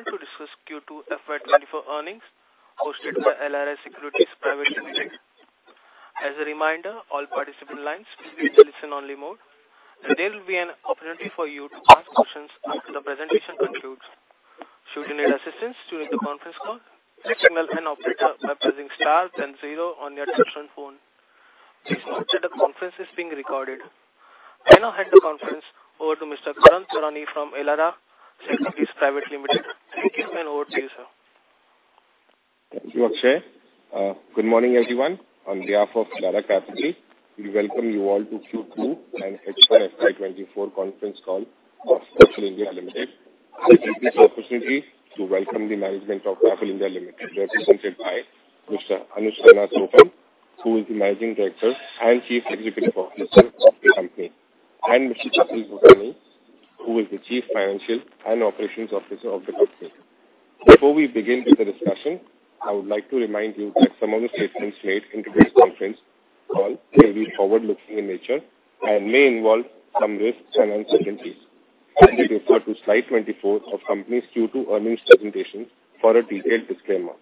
Ladies and gentlemen, good day and welcome to Affle (India) Limited conference call to discuss Q2 FY24 earnings, hosted by Elara Securities (India) Private Limited. As a reminder, all participant lines will be in listen-only mode, and there will be an opportunity for you to ask questions after the presentation concludes. Should you need assistance during the conference call, please signal an operator by pressing star then zero on your touchtone phone. Please note that the conference is being recorded. I now hand the conference over to Mr. Karan Surani from Elara Securities (India) Private Limited. Thank you, and over to you, sir. Thank you, Akshay. Good morning, everyone. On behalf of Elara Capital, we welcome you all to Q2 and H1 FY 2024 conference call of Affle (India) Limited. I take this opportunity to welcome the management of Affle (India) Limited, represented by Mr. Anuj Khanna Sohum, who is the Managing Director and Chief Executive Officer of the company, and Mr. Kapil Bhutani, who is the Chief Financial and Operations Officer of the company. Before we begin with the discussion, I would like to remind you that some of the statements made in today's conference call may be forward-looking in nature and may involve some risks and uncertainties. Kind refer to slide 24 of company's Q2 earnings presentation for a detailed disclaimer.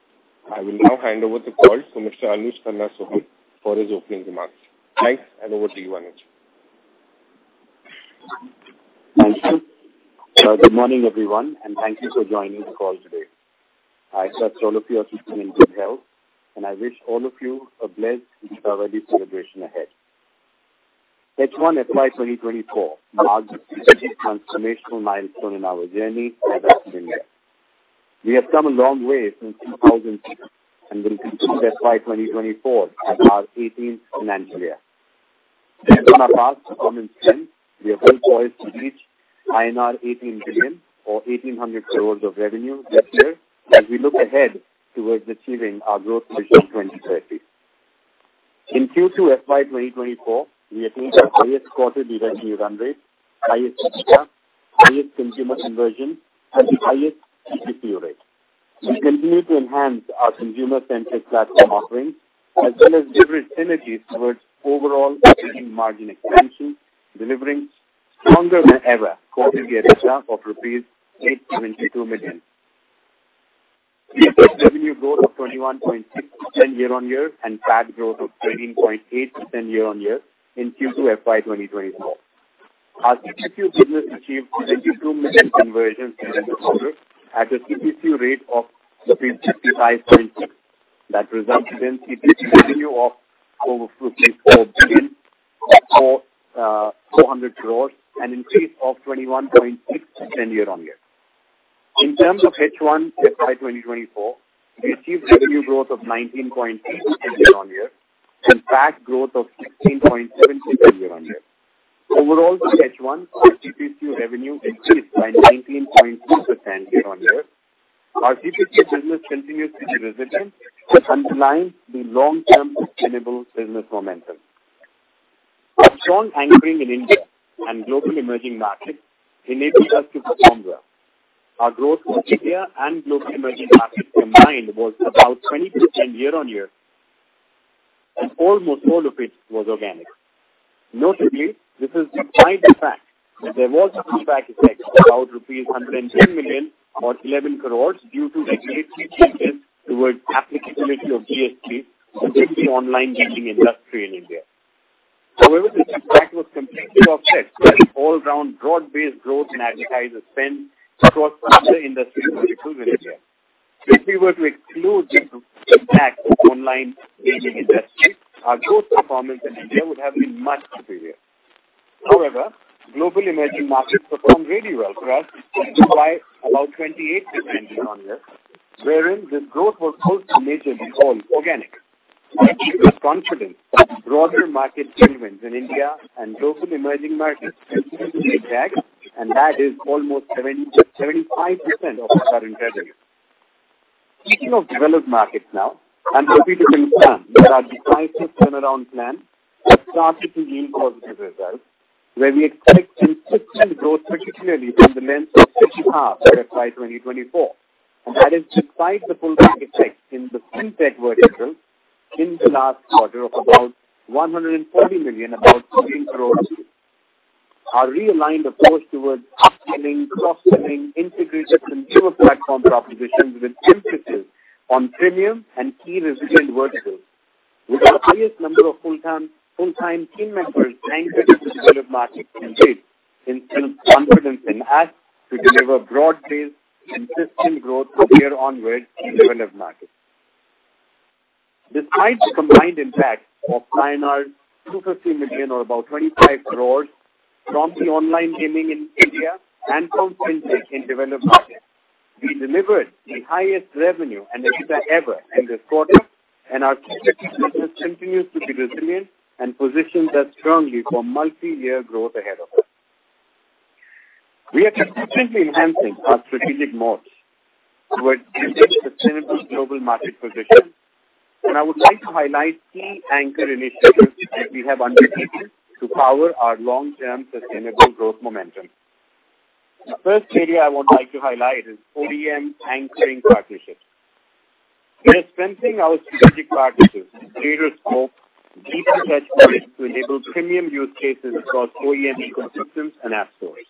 I will now hand over the call to Mr. Anuj Khanna Sohum for his opening remarks. Thanks, and over to you, Anuj. Thank you. Good morning, everyone, and thank you for joining the call today. I trust all of you are keeping in good health, and I wish all of you a blessed Diwali celebration ahead. H1 FY 2024 marks a significant transformational milestone in our journey at Affle India. We have come a long way since 2000... and we conclude FY 2024 as our eighteenth financial year. Drawing on our past common strength, we are well poised to reach INR 18 billion or 1,800 crores of revenue this year, as we look ahead towards achieving our growth vision 2030. In Q2 FY 2024, we attained our highest quarter revenue run rate, highest EBITDA, highest consumer conversion, and the highest CPC rate. We continue to enhance our consumer-centric platform offerings, as well as deliver synergies towards overall operating margin expansion, delivering stronger than ever quarterly EBITDA of rupees 872 million. We have revenue growth of 21.6% year-on-year and PAT growth of 13.8% year-on-year in Q2 FY 2024. Our CPC business achieved 72 million conversions in this quarter at a CPC rate of 55.6. That resulted in CPC revenue of over 4 billion or 400 crore, an increase of 21.6% year-on-year. In terms of H1 FY 2024, we achieved revenue growth of 19.8% year-on-year and PAT growth of 16.7% year-on-year. Overall, through H1, our CPC revenue increased by 19.2% year-on-year. Our CPC business continues to be resilient, underlying the long-term sustainable business momentum. Our strong anchoring in India and global emerging markets enabled us to perform well. Our growth in India and global emerging markets combined was about 20% year-on-year, and almost all of it was organic. Notably, this is despite the fact that there was a pullback effect of about rupees 110 million or 11 crore due to regulatory changes towards applicability of GST in the online gaming industry in India. However, this impact was completely offset by an all-round broad-based growth in advertiser spend across other industries in India. If we were to exclude the impact of online gaming industry, our growth performance in India would have been much superior. However, global emerging markets performed really well for us, by about 28% year-on-year, wherein this growth was close to majorly all organic. We are confident that broader market sentiments in India and global emerging markets will continue to be tagged, and that is almost 70%-75% of our current revenue. Speaking of developed markets now, I'm happy to confirm that our decisive turnaround plan has started to yield positive results, where we expect consistent growth, particularly in the length of H2 FY 2024. And that is despite the pullback effect in the Fintech vertical in the last quarter of about 140 million, about 16 crores. Our realigned approach towards upselling, cross-selling, integrated consumer platform propositions with emphasis on premium and key resilient verticals, with the highest number of full-time, full-time team members anchored in developed markets indeed, instills confidence in us to deliver broad-based consistent growth from here onwards in developed markets. Despite the combined impact of 215 million or about 25 crores from the online gaming in India and from Fintech in developed markets, we delivered the highest revenue and EBITDA ever in this quarter, and our CPC business continues to be resilient and positions us strongly for multi-year growth ahead of us. We are continuously enhancing our strategic modes toward sustainable global market position. I would like to highlight key anchor initiatives that we have undertaken to power our long-term sustainable growth momentum.... The first area I would like to highlight is OEM anchoring partnerships. We are strengthening our strategic partnerships to create a scope deep touchpoints to enable premium use cases across OEM ecosystems and app stores.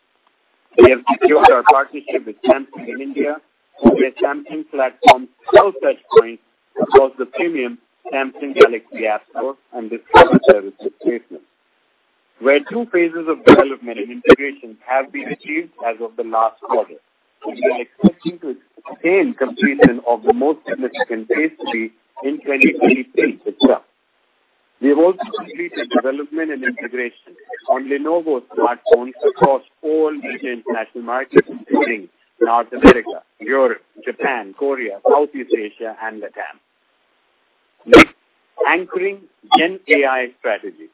We have secured our partnership with Samsung in India, where Samsung's platform sell touchpoint across the premium Samsung Galaxy App Store and discovery service placement, where two phases of development and integration have been achieved as of the last quarter. We are expecting to obtain completion of the most significant phase three in 2023 as well. We have also completed development and integration on Lenovo smartphones across all major international markets, including North America, Europe, Japan, Korea, Southeast Asia, and Latin. Next, anchoring Gen AI strategy.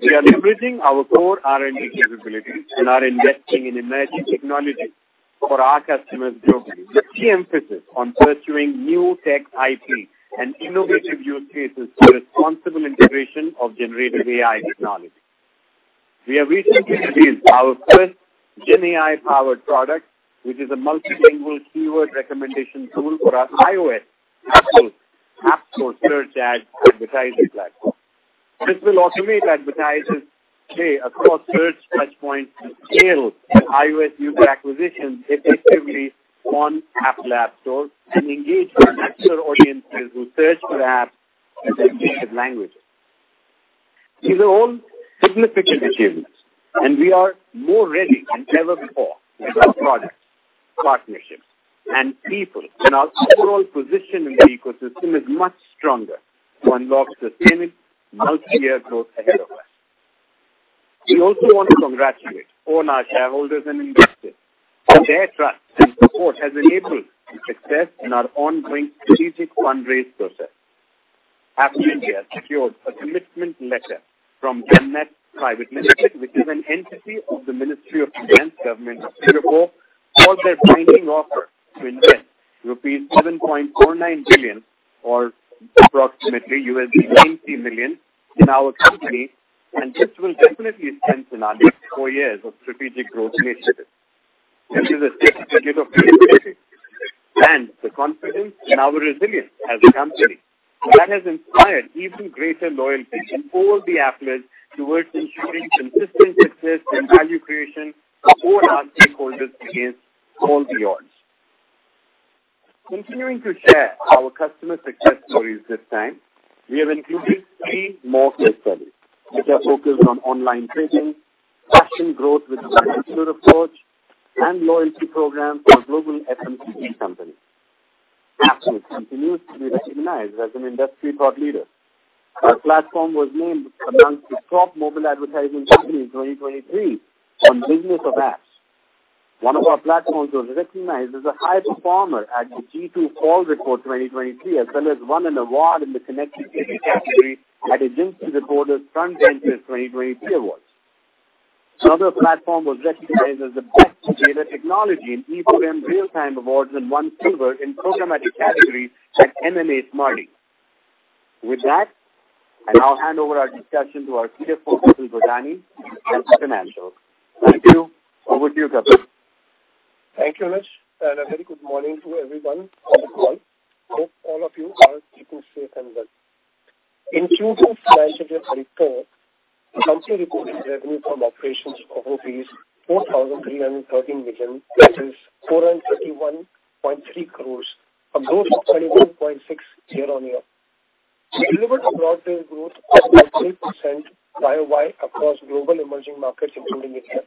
We are leveraging our core R&D capabilities and are investing in emerging technologies for our customers globally, with key emphasis on pursuing new tech IP and innovative use cases for responsible integration of generative AI technology. We have recently released our first Gen AI-powered product, which is a multilingual keyword recommendation tool for our iOS Apple App Store search ads advertising platform. This will automate advertisers pay across search touchpoints and scale iOS user acquisition effectively on Apple App Store and engage with natural audiences who search for apps in their native languages. These are all significant achievements, and we are more ready than ever before with our products, partnerships, and people, and our overall position in the ecosystem is much stronger to unlock sustainable multi-year growth ahead of us. We also want to congratulate all our shareholders and investors. Their trust and support has enabled success in our ongoing strategic fundraise process. Affle secured a commitment letter from GIC Private Limited, which is an entity of the Ministry of Finance, Government of Singapore, for their binding offer to invest rupees 7.49 billion or approximately $90 million in our company, and this will definitely strengthen our next four years of strategic growth initiatives. This is a testament to the confidence in our resilience as a company. That has inspired even greater loyalty in all the Affleites towards ensuring consistent success and value creation for all our stakeholders against all the odds. Continuing to share our customer success stories this time, we have included three more case studies, which are focused on online trading, fashion growth with a consumer approach, and loyalty programs for global FMCG companies. Affle continues to be recognized as an industry thought leader. Our platform was named amongst the top mobile advertising companies in 2023 on Business of Apps. One of our platforms was recognized as a high performer at the G2 Fall Report 2023, as well as won an award in the Connected TV category at Software Advice FrontRunners awards. Another platform was recognized as the best data technology in EMMAs and won silver in programmatic categories at MMA SMARTIES. With that, I now hand over our discussion to our CFO, Kapil Bhutani, for financials. Thank you. Over to you, Kapil. Thank you, Anuj, and a very good morning to everyone on the call. Hope all of you are keeping safe and well. In financial year 2024, the company reported revenue from operations of rupees 4,313 million, that is, 431.3 crores, a growth of 31.6% year-on-year. We delivered abroad their growth of 30% YOY across global emerging markets, including India.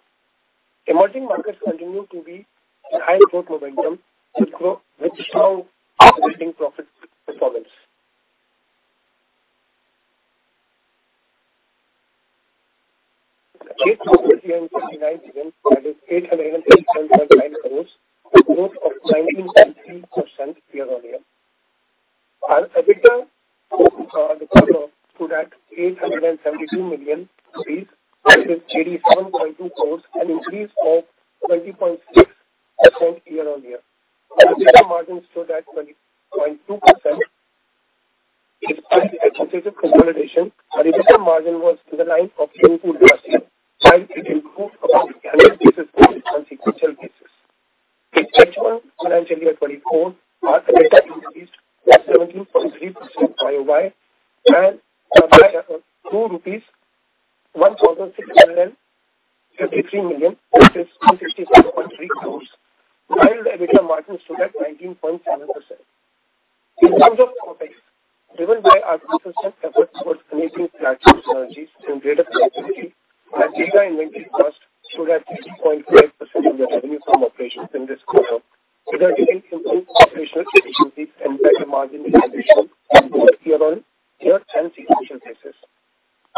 Emerging markets continue to be high growth momentum, now driving profit performance. INR 859 billion, that is, INR 870.9 crores, a growth of 19% year-on-year. Our EBITDA for the quarter stood at 872 million rupees, that is, 37.2 crores, an increase of 20.6% year-on-year. Our EBITDA margin stood at 20.2%, despite the executed consolidation, our EBITDA margin was in the line of 22%, while it improved about 100 basis points on sequential basis. In financial year 2024, our EBITDA increased 17.3% YOY, and EBITDA of 2,653 million, which is 267.3 crores, while the EBITDA margin stood at 19.7%. In terms of topline, driven by our consistent efforts towards connecting platform strategies and data productivity, our data inventory cost stood at 2.5% of the revenue from operations in this quarter, resulting in improved operational efficiency and better margin realization on year-on-year and sequential basis.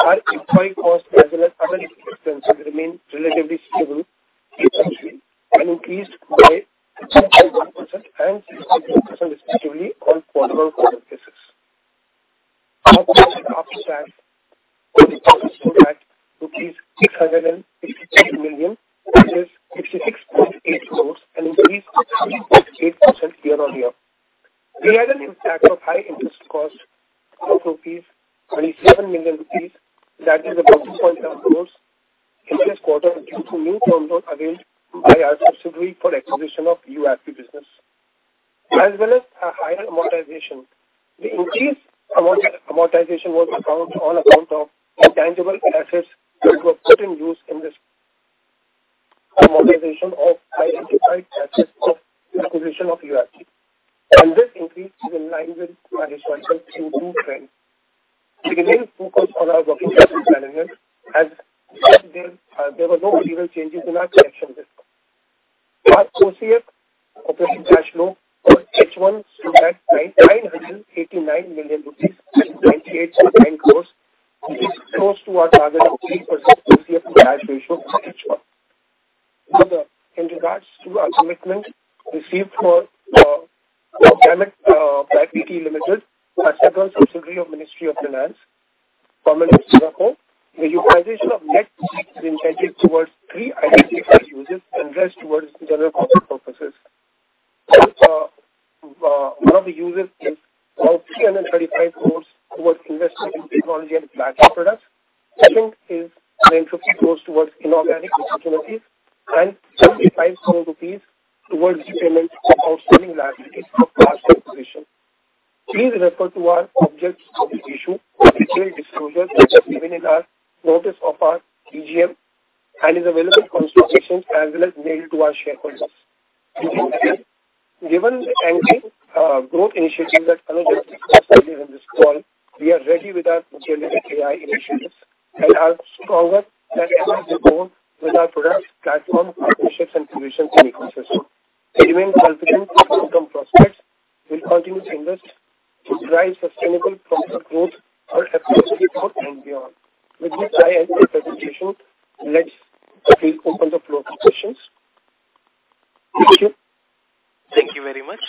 Our employee costs as well as other expenses remain relatively stable sequentially and increased by 2.1% and 62%, respectively, on comparable cost basis. Our operating OpEx stood at INR 663 million, which is 66.8 crores, an increase of 3.8% year-on-year. We had an impact of high interest cost of 27 million rupees. That is about 4%, of course, in this quarter, due to new term loan availed by our subsidiary for acquisition of YouAppi business, as well as a higher amortization. The increased amortization was on account of intangible assets that were put in use in this amortization of identified assets of acquisition of YouAppi, and this increase is in line with our historical improved trend. We remain focused on our working capital management, as there were no material changes in our collection risk. Our associate operating cash flow for H1 stood at 989 million rupees, 98 million close, which is close to our target of 3% associate cash ratio for H1. In regards to our commitment received for GIC Ltd, our second subsidiary of Ministry of Finance, Government of Singapore. The utilization of net incentive towards three identified uses and rest towards general corporate purposes. One of the uses is our 335 crore towards investing in technology and platform products. Second is 23 crore towards inorganic opportunities, and just 5 crore rupees towards payment of outstanding liabilities for past acquisition. Please refer to our objects of this issue, detailed disclosure, which is given in our notice of our EGM and is available for consultations as well as mailed to our shareholders. Given the growth initiatives that Anuj mentioned in this call, we are ready with our generative AI initiatives and are stronger than ever before with our products, platform, partnerships and provisions in ecosystem. We remain confident in long-term prospects. We'll continue to invest to drive sustainable profit growth for FY 4 and beyond. With this, I end my presentation. Let's quickly open the floor for questions. Thank you. Thank you very much.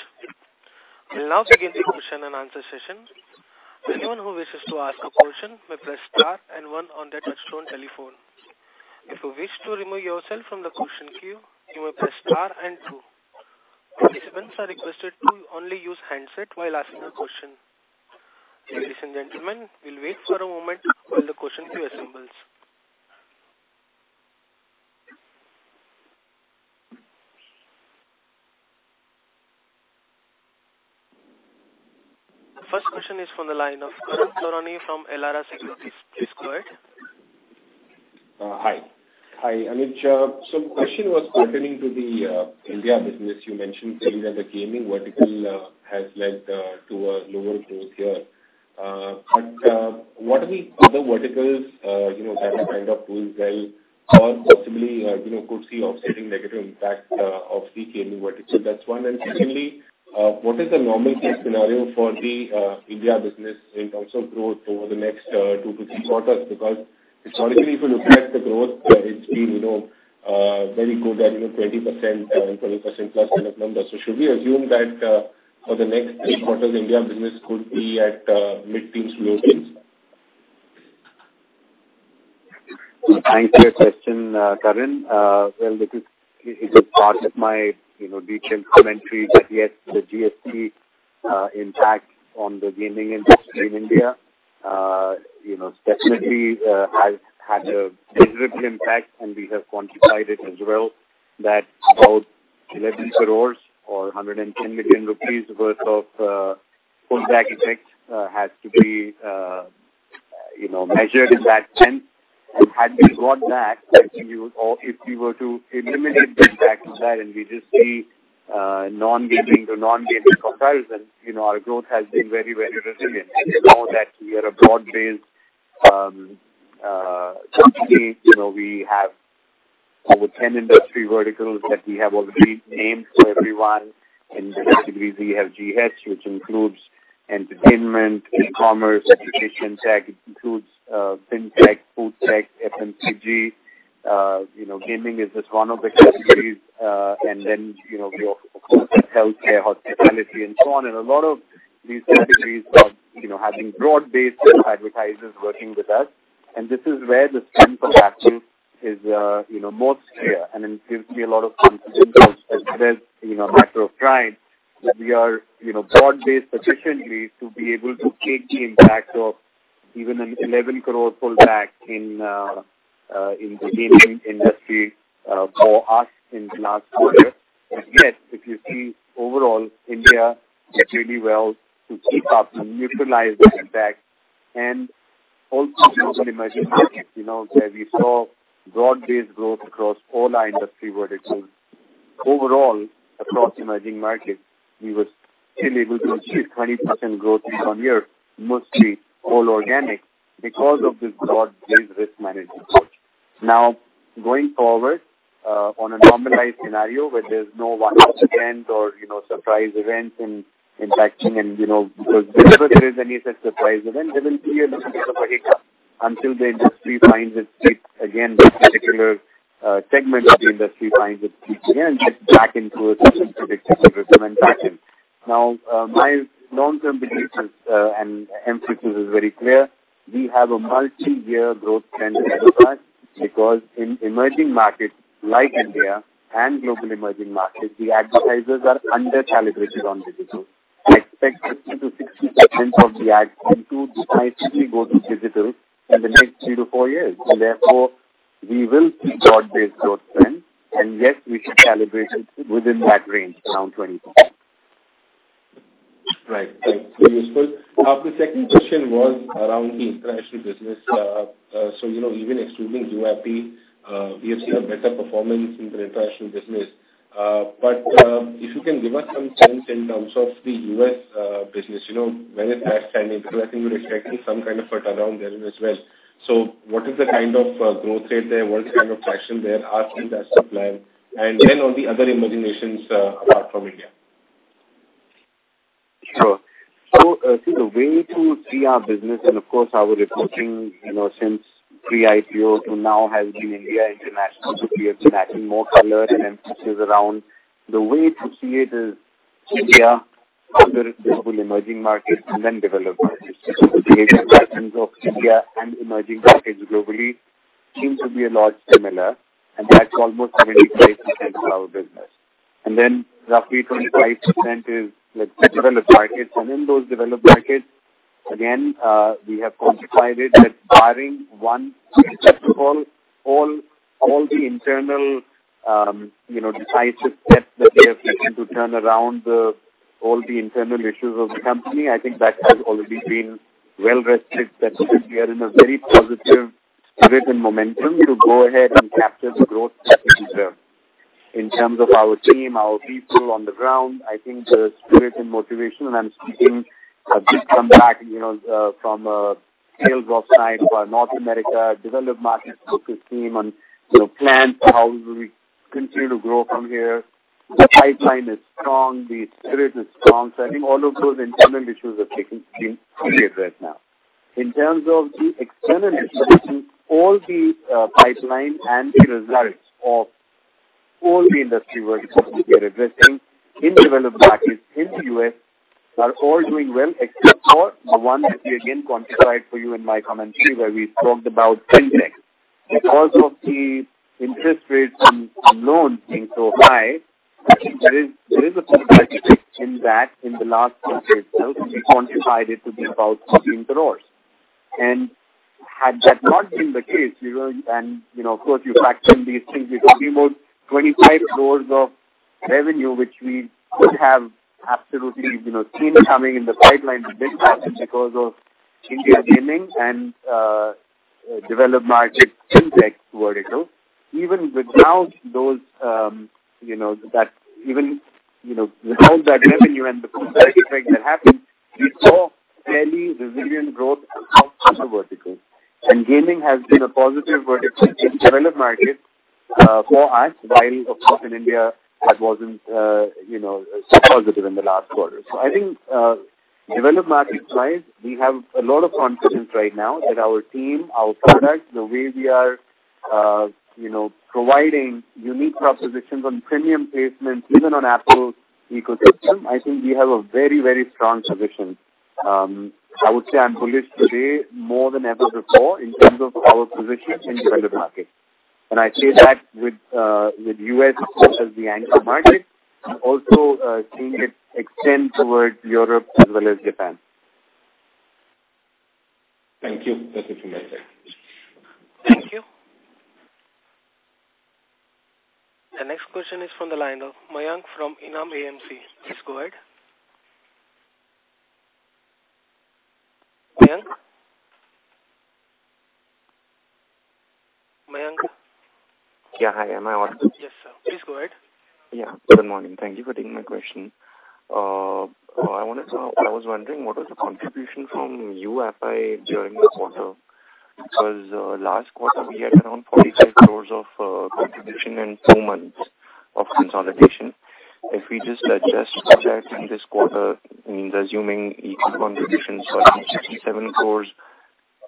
We'll now begin the question and answer session. Anyone who wishes to ask a question, may press star and one on their touchtone telephone. If you wish to remove yourself from the question queue, you may press star and two. Participants are requested to only use handset while asking a question. Ladies and gentlemen, we'll wait for a moment while the question queue assembles. The first question is from the line of Karan Taurani from Elara Securities. Please go ahead. Hi. Hi, Anuj. So question was pertaining to the India business. You mentioned saying that the gaming vertical has led to a lower growth year. But what are the other verticals, you know, that kind of hold well or possibly, you know, could see offsetting negative impact of the gaming vertical? That's one. And secondly, what is the normal case scenario for the India business in terms of growth over the next 2-3 quarters? Because historically, if you look at the growth, it's been, you know, very good at, you know, 20% and 20% plus kind of numbers. So should we assume that for the next 3 quarters, India business could be at mid-teens, low teens? Thanks for your question, Karan. Well, this is, it is part of my, you know, detailed commentary, but yes, the GST impact on the gaming industry in India, you know, definitely has had a visible impact, and we have quantified it as well, that about 11 crore or 110 million rupees worth of pullback effect has to be, you know, measured in that sense. And had we got back and you... Or if we were to eliminate the impact of that, and we just see non-gaming to non-gaming comparison, you know, our growth has been very, very resilient. And you know that we are a broad-based company. You know, we have over 10 industry verticals that we have already named for everyone. In categories, we have EFGH, which includes entertainment, e-commerce, education tech, it includes, fintech, food tech, FMCG. You know, gaming is just one of the categories, and then, you know, of course, healthcare, hospitality, and so on. And a lot of these categories are, you know, having broad-based advertisers working with us, and this is where the strength of Affle is, you know, most clear, and it gives me a lot of confidence as well, you know, matter of pride, that we are, you know, broad-based sufficiently to be able to take the impact of even an 11 crore pullback in, in the gaming industry, for us in the last quarter. And yet, if you see overall, India did really well to keep up and neutralize the impact and also across emerging markets, you know, where we saw broad-based growth across all our industry verticals. Overall, across emerging markets, we were still able to achieve 20% growth year-on-year, mostly all organic, because of this broad-based risk management approach. Now, going forward, on a normalized scenario where there's no one-off event or, you know, surprise events in fact, and, you know, because whenever there is any such surprise event, there will be a little bit of a hiccup until the industry finds its feet again, that particular segment of the industry finds its feet again, get back into a consistent predictable rhythm and pattern. Now, my long-term belief is, and emphasis is very clear.... We have a multi-year growth trend because in emerging markets like India and global emerging markets, the advertisers are under calibrated on digital. Expect 50%-60% of the ads to decisively go to digital in the next 3-4 years. Therefore, we will see broad-based growth trends. Yes, we should calibrate it within that range, around 24. Right. Thanks. Very useful. The second question was around the international business. So, you know, even excluding UIP, we have seen a better performance in the international business. But, if you can give us some sense in terms of the U.S. business, you know, where is that standing? Because I think we're expecting some kind of turnaround there as well. So what is the kind of growth rate there? What is the kind of traction there are in that supply? And then on the other emerging nations, apart from India. Sure. So, see, the way to see our business and, of course, our reporting, you know, since pre-IPO to now has been India, international. So we are tracking more color and emphasis around. The way to see it is India, under the global emerging markets and then developed markets of India and emerging markets globally seems to be a lot similar, and that's almost 75% of our business. And then roughly 25% is the developed markets. And in those developed markets, again, we have quantified it that barring one call, all the internal, you know, decisive steps that we have taken to turn around the... all the internal issues of the company, I think that has already been well rested, that we are in a very positive spirit and momentum to go ahead and capture the growth that is there. In terms of our team, our people on the ground, I think the spirit and motivation, and I'm speaking, I've just come back, you know, from a sales offsite for North America, developed market focus team on, you know, plans for how we continue to grow from here. The pipeline is strong, the spirit is strong. So I think all of those internal issues are gaining steam right now. In terms of the external issues, all the pipeline and the results of all the industry vertical we are addressing in developed markets, in the U.S., are all doing well, except for the one that we again quantified for you in my commentary, where we talked about FinTech. Because of the interest rates on loans being so high, I think there is an impact in the last quarter itself, we quantified it to be about 14 crore. And had that not been the case, you know, and you know, of course, you factor in these things, we're talking about 25 crore of revenue, which we could have absolutely, you know, seen coming in the pipeline this quarter because of India gaming and developed market FinTech vertical. Even without those, you know, even without that revenue and the effect that happened, we saw fairly resilient growth across other verticals. And gaming has been a positive vertical in developed markets for us, while of course, in India, that wasn't, you know, so positive in the last quarter. So I think, developed markets wise, we have a lot of confidence right now that our team, our products, the way we are, you know, providing unique propositions on premium placements, even on Apple's ecosystem, I think we have a very, very strong position. I would say I'm bullish today more than ever before in terms of our position in developed markets. And I say that with, with U.S. as the anchor market, and also, seeing it extend towards Europe as well as Japan. Thank you. That's it from my side. Thank you. The next question is from the line of Mayank from IIFL AMC. Please go ahead. Mayank? Mayank. Yeah. Hi, am I on? Yes, sir. Please go ahead. Yeah. Good morning. Thank you for taking my question. I wanted to... I was wondering, what was the contribution from UEFI during the quarter? Because, last quarter, we had around 45 crores of contribution in two months of consolidation. If we just adjust that in this quarter, assuming equal contribution, so 67 crores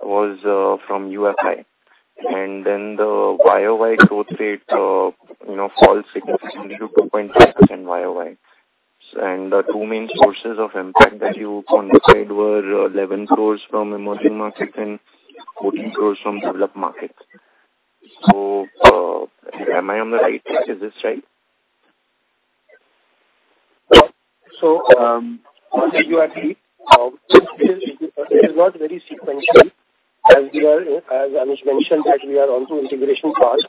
was from UFI, and then the YOY growth rate, you know, falls significantly to 2.5% YOY. And the two main sources of impact that you quantified were 11 crores from emerging markets and 14 crores from developed markets. So, am I on the right track? Is this right? So, UIP, it is not very sequential as we are, as Anish mentioned, that we are on to integration path.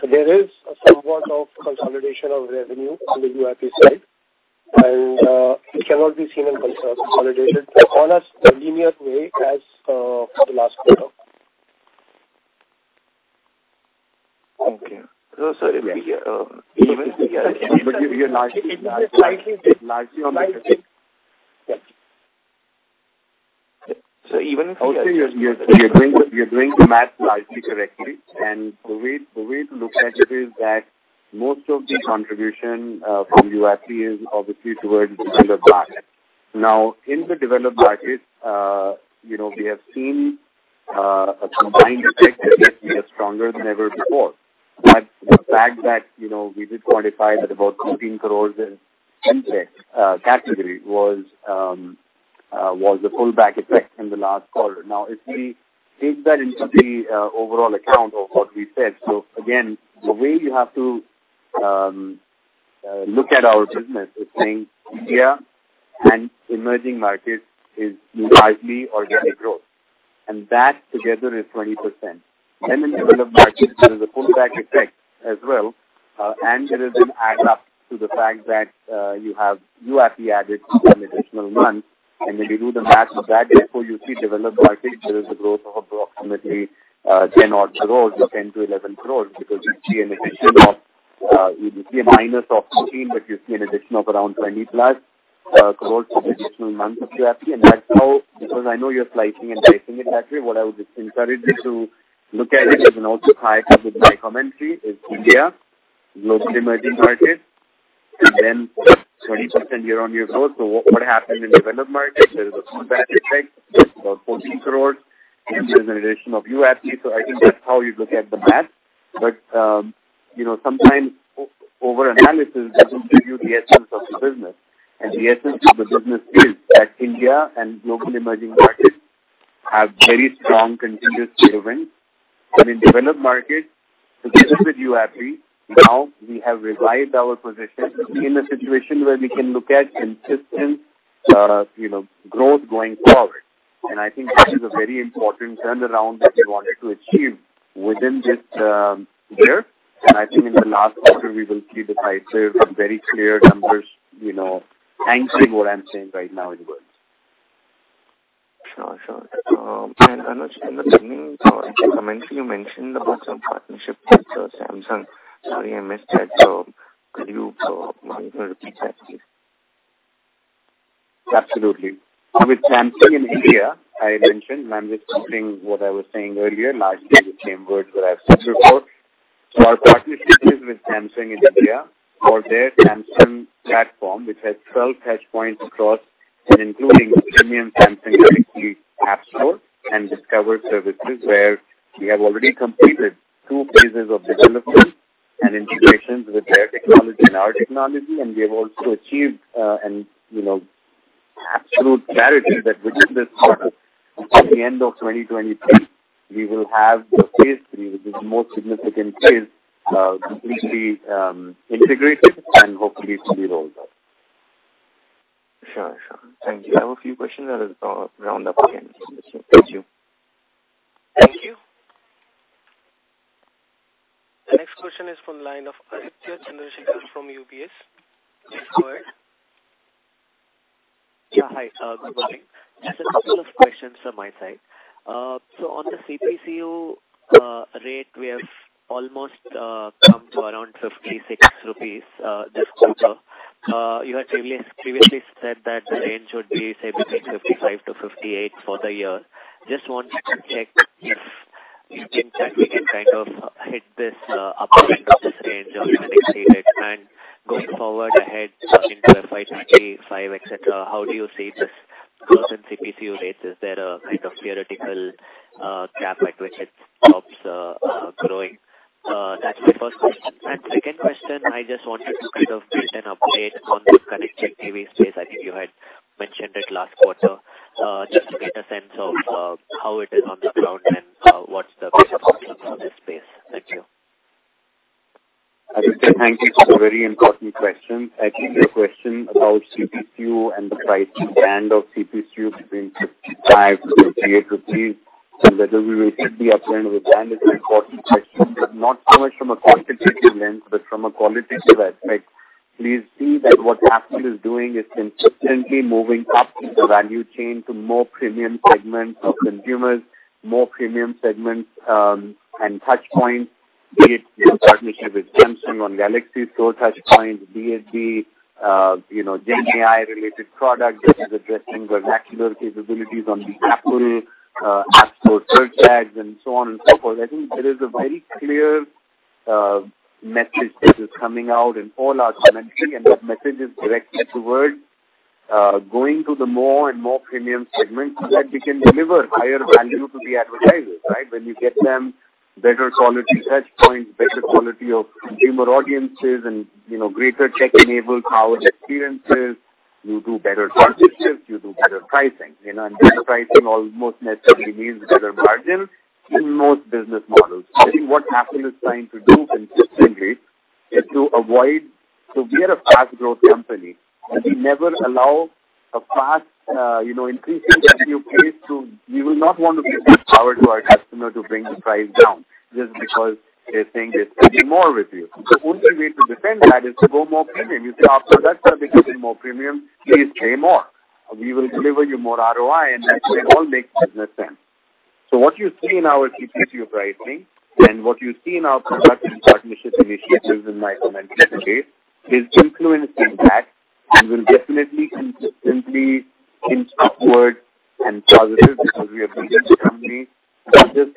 So there is a somewhat of consolidation of revenue on the UIP side, and, it cannot be seen and consolidated on a linear way as, the last quarter. Okay. So it may be even- So even- I would say you're doing the math largely correctly, and the way to look at it is that most of the contribution from UIP is obviously towards developed markets. Now, in the developed markets, you know, we have seen a combined effect that we are stronger than ever before. But the fact that, you know, we did quantify that about 14 crore in category was a pullback effect in the last quarter. Now, if we take that into the overall account of what we said, so again, the way you have to look at our business is saying India and emerging markets is largely organic growth, and that together is 20%. Then in developed markets, there is a pullback effect as well, and there is an add up to the fact that you have YouAppi added an additional month, and when you do the math of that, therefore you see developed markets, there is a growth of approximately 10 odd crores or 10-11 crores, because you see an addition of, you see a minus of 14, but you see an addition of around 20+ crores for additional months of YouAppi. And that's how... Because I know you're slicing and dicing it that way, what I would just encourage you to look at it as an outlier with my commentary, is India, global emerging markets, and then 20% year-on-year growth. So what happened in the developed market? There is a pullback effect, about 14 crores, and there's an addition of YouAppi. So I think that's how you look at the math. But, you know, sometimes over analysis doesn't give you the essence of the business. And the essence of the business is that India and global emerging markets have very strong continuous growth, and in developed markets, particularly with YouAppi, now we have revived our position in a situation where we can look at consistent, you know, growth going forward. And I think that is a very important turnaround that we wanted to achieve within this, year. And I think in the last quarter, we will see decisive, very clear numbers, you know, answering what I'm saying right now in words. Sure, sure. I know in the beginning, in your commentary, you mentioned about some partnership with Samsung. Sorry, I missed that. So could you repeat that, please? Absolutely. With Samsung in India, I mentioned, and I'm just repeating what I was saying earlier, largely the same words that I've said before. Our partnership is with Samsung in India for their Samsung platform, which has 12 touchpoints across, and including premium Samsung Galaxy App Store and discover services, where we have already completed two phases of development and integrations with their technology and our technology. We have also achieved, you know, absolute clarity that within this quarter, by the end of 2023, we will have the phase three, which is the most significant phase, completely integrated and hopefully to be rolled out. Sure, sure. Thank you. I have a few questions and then I'll round up again. Thank you. Thank you. The next question is from the line of Aditya Chandrashekar from UBS. Go ahead. Yeah, hi, good morning. Just a couple of questions from my side. So on the CPCU rate, we have almost come to around 56 rupees this quarter. You had previously, previously said that the range would be, say, between 55-58 for the year. Just wanted to check if in fact we can kind of hit this upper end of this range or even exceed it. And going forward ahead into the 5 25, et cetera, how do you see this growth in CPCU rates? Is there a kind of theoretical cap at which it stops growing? That's my first question. And second question, I just wanted to kind of get an update on this connected TV space. I think you had mentioned it last quarter. Just to get a sense of how it is on the ground and what's the business model for this space. Thank you. Aditya, thank you for the very important questions. I think your question about CPCU and the pricing band of CPCU between 55-58 rupees, and whether we will hit the upper end of the band is an important question, but not so much from a quantitative lens, but from a qualitative aspect. Please see that what Affle is doing is consistently moving up the value chain to more premium segments of consumers, more premium segments, and touch points, be it through partnership with Samsung on Galaxy Store touch points, BSD, you know, Gen AI-related products, which is addressing vernacular capabilities on the Apple, App Store search ads and so on and so forth. I think there is a very clear message that is coming out in all our commentary, and that message is directly towards going to the more and more premium segments so that we can deliver higher value to the advertisers, right? When you get them better quality touch points, better quality of consumer audiences, and, you know, greater tech-enabled power experiences, you do better partnerships, you do better pricing, you know. And better pricing almost necessarily means better margins in most business models. I think what Affle is trying to do consistently is to avoid. So we are a fast growth company, and we never allow a fast, you know, increasing revenue base to... We will not want to give that power to our customer to bring the price down, just because they think they're spending more with you. The only way to defend that is to go more premium. You say, "After that, start becoming more premium, please pay more. We will deliver you more ROI," and that way it all makes business sense. So what you see in our CPCU pricing and what you see in our product and partnership initiatives in my commentary, is influenced in that. We will definitely, consistently inch upward and positive because we are a business company, not just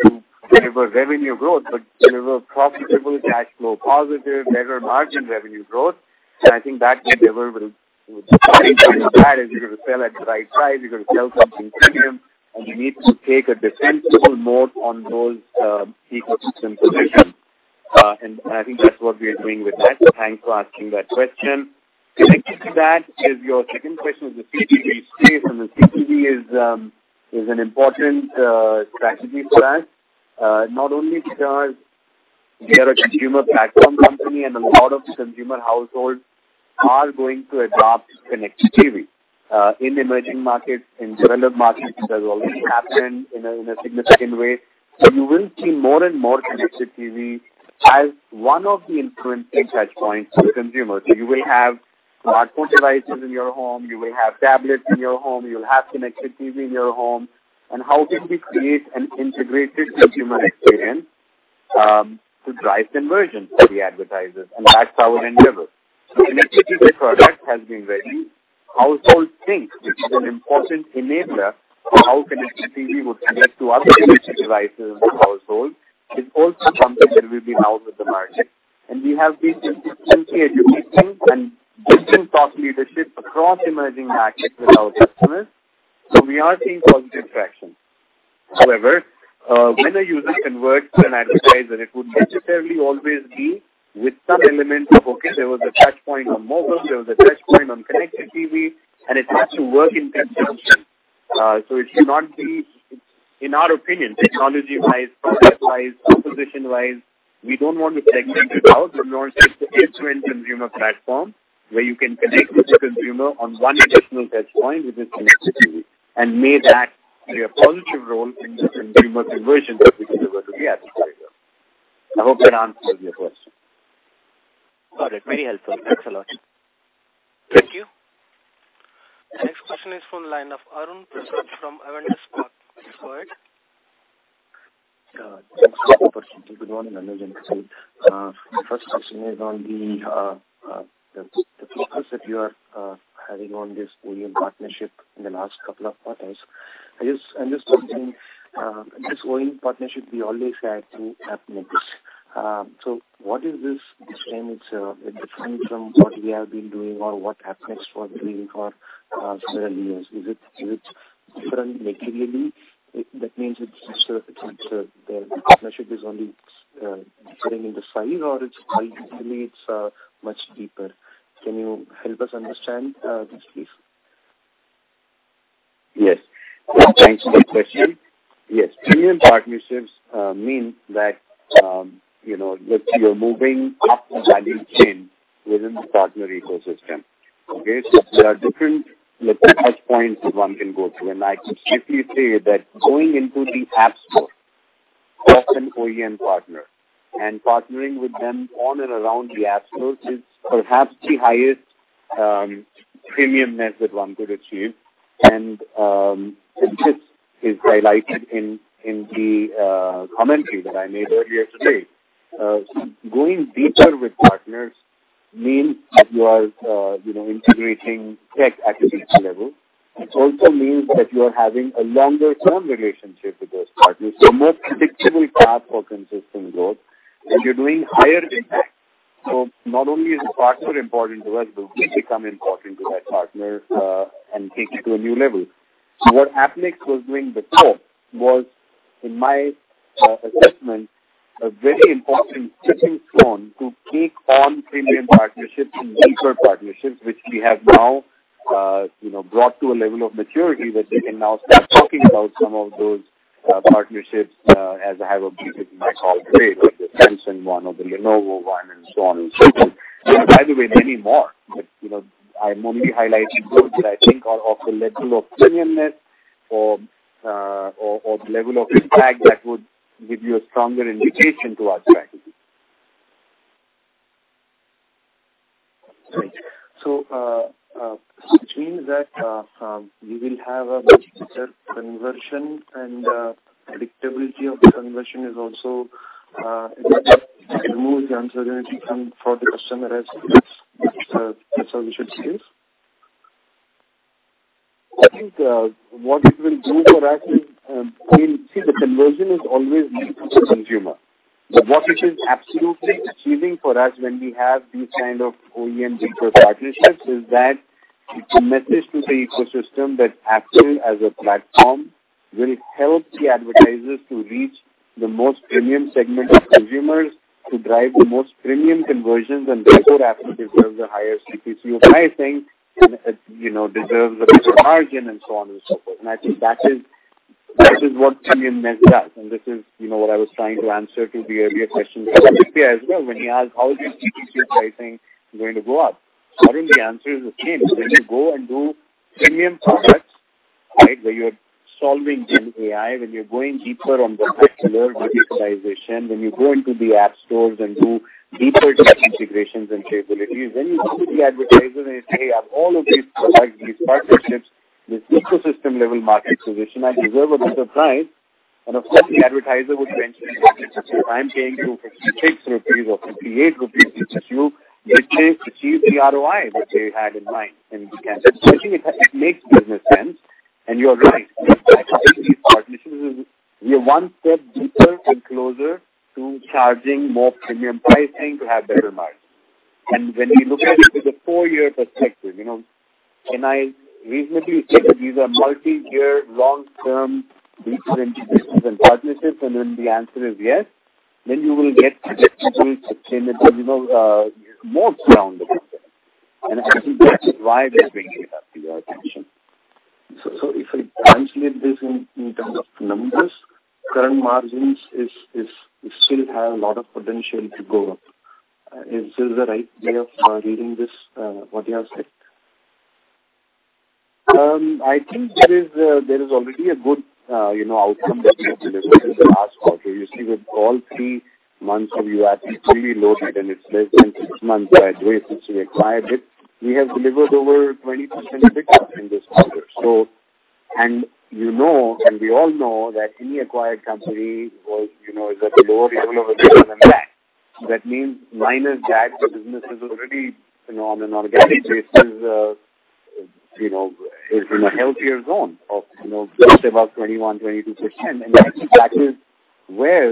to deliver revenue growth, but deliver profitable, cash flow positive, better margin revenue growth. And I think that delivery will be fine. Because you got to sell at the right price, you got to sell something premium.... and you need to take a defensible mode on those, ecosystem positions. And I think that's what we are doing with that. So thanks for asking that question. Connected to that is your second question, is the CTV space, and the CTV is an important strategy for us, not only because we are a consumer platform company and a lot of consumer households are going to adopt Connected TV, in emerging markets, in developed markets, it has already happened in a significant way. So you will see more and more Connected TV as one of the influencing touch points to consumers. So you will have smartphone devices in your home, you will have tablets in your home, you'll have Connected TV in your home. And how can we create an integrated consumer experience, to drive conversions for the advertisers? And that's our endeavor. So the Connected TV product has been ready. Household Sync, which is an important enabler for how Connected TV would connect to other connected devices in the household, is also something that will be out with the market. We have been consistently educating and building thought leadership across emerging markets with our customers. We are seeing positive traction. However, when a user converts to an advertiser, it would necessarily always be with some elements of, okay, there was a touch point on mobile, there was a touch point on Connected TV, and it has to work in conjunction. So it should not be, in our opinion, technology-wise, product-wise, composition-wise, we don't want to segment it out. We want it to influence consumer platform, where you can connect with the consumer on one additional touch point, which is Connected TV, and may that play a positive role in the consumer conversion that we deliver to the advertiser. I hope that answers your question. Got it. Very helpful. Thanks a lot. Thank you. The next question is from the line of Arun Prasath from Avendus Spark. Go ahead. Thanks for the opportunity, good morning, Anuj and team. My first question is on the focus that you are having on this OEM partnership in the last couple of quarters. I just, I'm just wondering, this OEM partnership, we always had through Appnext. So what is this this time it's different from what we have been doing or what Appnext was doing for several years? Is it different materially? That means it's the partnership is only differing in the size or it's ultimately it's much deeper. Can you help us understand this, please? Yes. Thanks for the question. Yes, premium partnerships mean that, you know, that you're moving up the value chain within the partner ecosystem. Okay? So there are different, look, touch points that one can go through. And I can safely say that going into the App Store as an OEM partner and partnering with them on and around the App Store is perhaps the highest premiumness that one could achieve. And this is highlighted in the commentary that I made earlier today. So going deeper with partners means that you are, you know, integrating tech at a deeper level. It also means that you are having a longer term relationship with those partners, a more predictable path for consistent growth, and you're doing higher impact. Not only is the partner important to us, but we become important to that partner and take it to a new level. What Appnext was doing before was, in my assessment, a very important stepping stone to take on premium partnerships and deeper partnerships, which we have now, you know, brought to a level of maturity that we can now start talking about some of those partnerships, as I have obvious in my call today, like the Samsung one or the Lenovo one, and so on and so forth. By the way, many more, but, you know, I'm only highlighting those that I think are of a level of premiumness or level of impact that would give you a stronger indication to our strategy. Great. So, which means that we will have a better conversion and predictability of the conversion is also removed uncertainty come for the customer as that's how we should say it? I think, what it will do for us is, the conversion is always leading to the consumer. But what this is absolutely achieving for us when we have these kind of OEM deeper partnerships, is that it's a message to the ecosystem that Affle as a platform will help the advertisers to reach the most premium segment of consumers, to drive the most premium conversions, and therefore, Affle deserves a higher CPC of, I think, and, you know, deserves a better margin and so on and so forth. And I think that is, that is what premiumness does. And this is, you know, what I was trying to answer to the earlier question as well, when he asked, how is this CPC pricing going to go up? Arun, the answer is, again, when you go and do premium products, right, where you're solving Gen AI, when you're going deeper on the lower digitization, when you go into the app stores and do deeper integrations and capabilities, when you go to the advertiser and say, "I have all of these products, these partnerships, this ecosystem-level market position, I deserve a better price." And of course, the advertiser would then say, "I'm paying you 56 rupees or 58 rupees CPC to achieve the ROI that they had in mind in the campaign." I think it makes business sense, and you're right. These partnerships, we are one step deeper and closer to charging more premium pricing to have better margins. And when you look at it with a four-year perspective, you know, can I reasonably say that these are multi-year, long-term business and partnerships? And then the answer is yes, then you will get more rounded, and I think that's why we are bringing it up to your attention. So, if I translate this in terms of numbers, current margins is still have a lot of potential to go up. Is this the right way of reading this, what you have said? I think there is already a good, you know, outcome that we have delivered in the last quarter. You see, with all 3 months of UAV fully loaded, and it's less than 6 months since we acquired it, we have delivered over 20% pickup in this quarter. So, and you know, and we all know that any acquired company was, you know, is at the lower level than that. That means minus that, the business is already, you know, on an organic basis, you know, is in a healthier zone of, you know, just about 21%-22%. And that is where,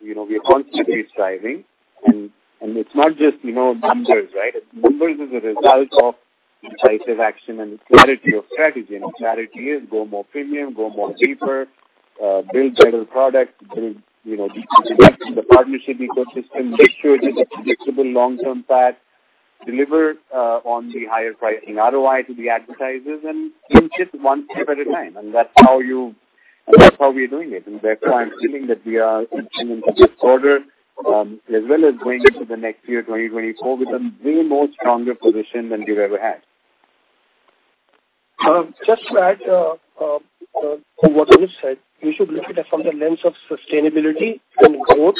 you know, we are constantly striving. And, and it's not just, you know, numbers, right? Numbers is a result of decisive action and clarity of strategy. Clarity is go more premium, go more deeper, build better products, build, you know, the partnership ecosystem, make sure it is a predictable long-term path, deliver on the higher pricing ROI to the advertisers, and do it one step at a time. And that's how we're doing it. And therefore, I'm feeling that we are in a good order, as well as going into the next year, 2024, with a way more stronger position than we've ever had. Just to add to what you said, we should look at it from the lens of sustainability and growth,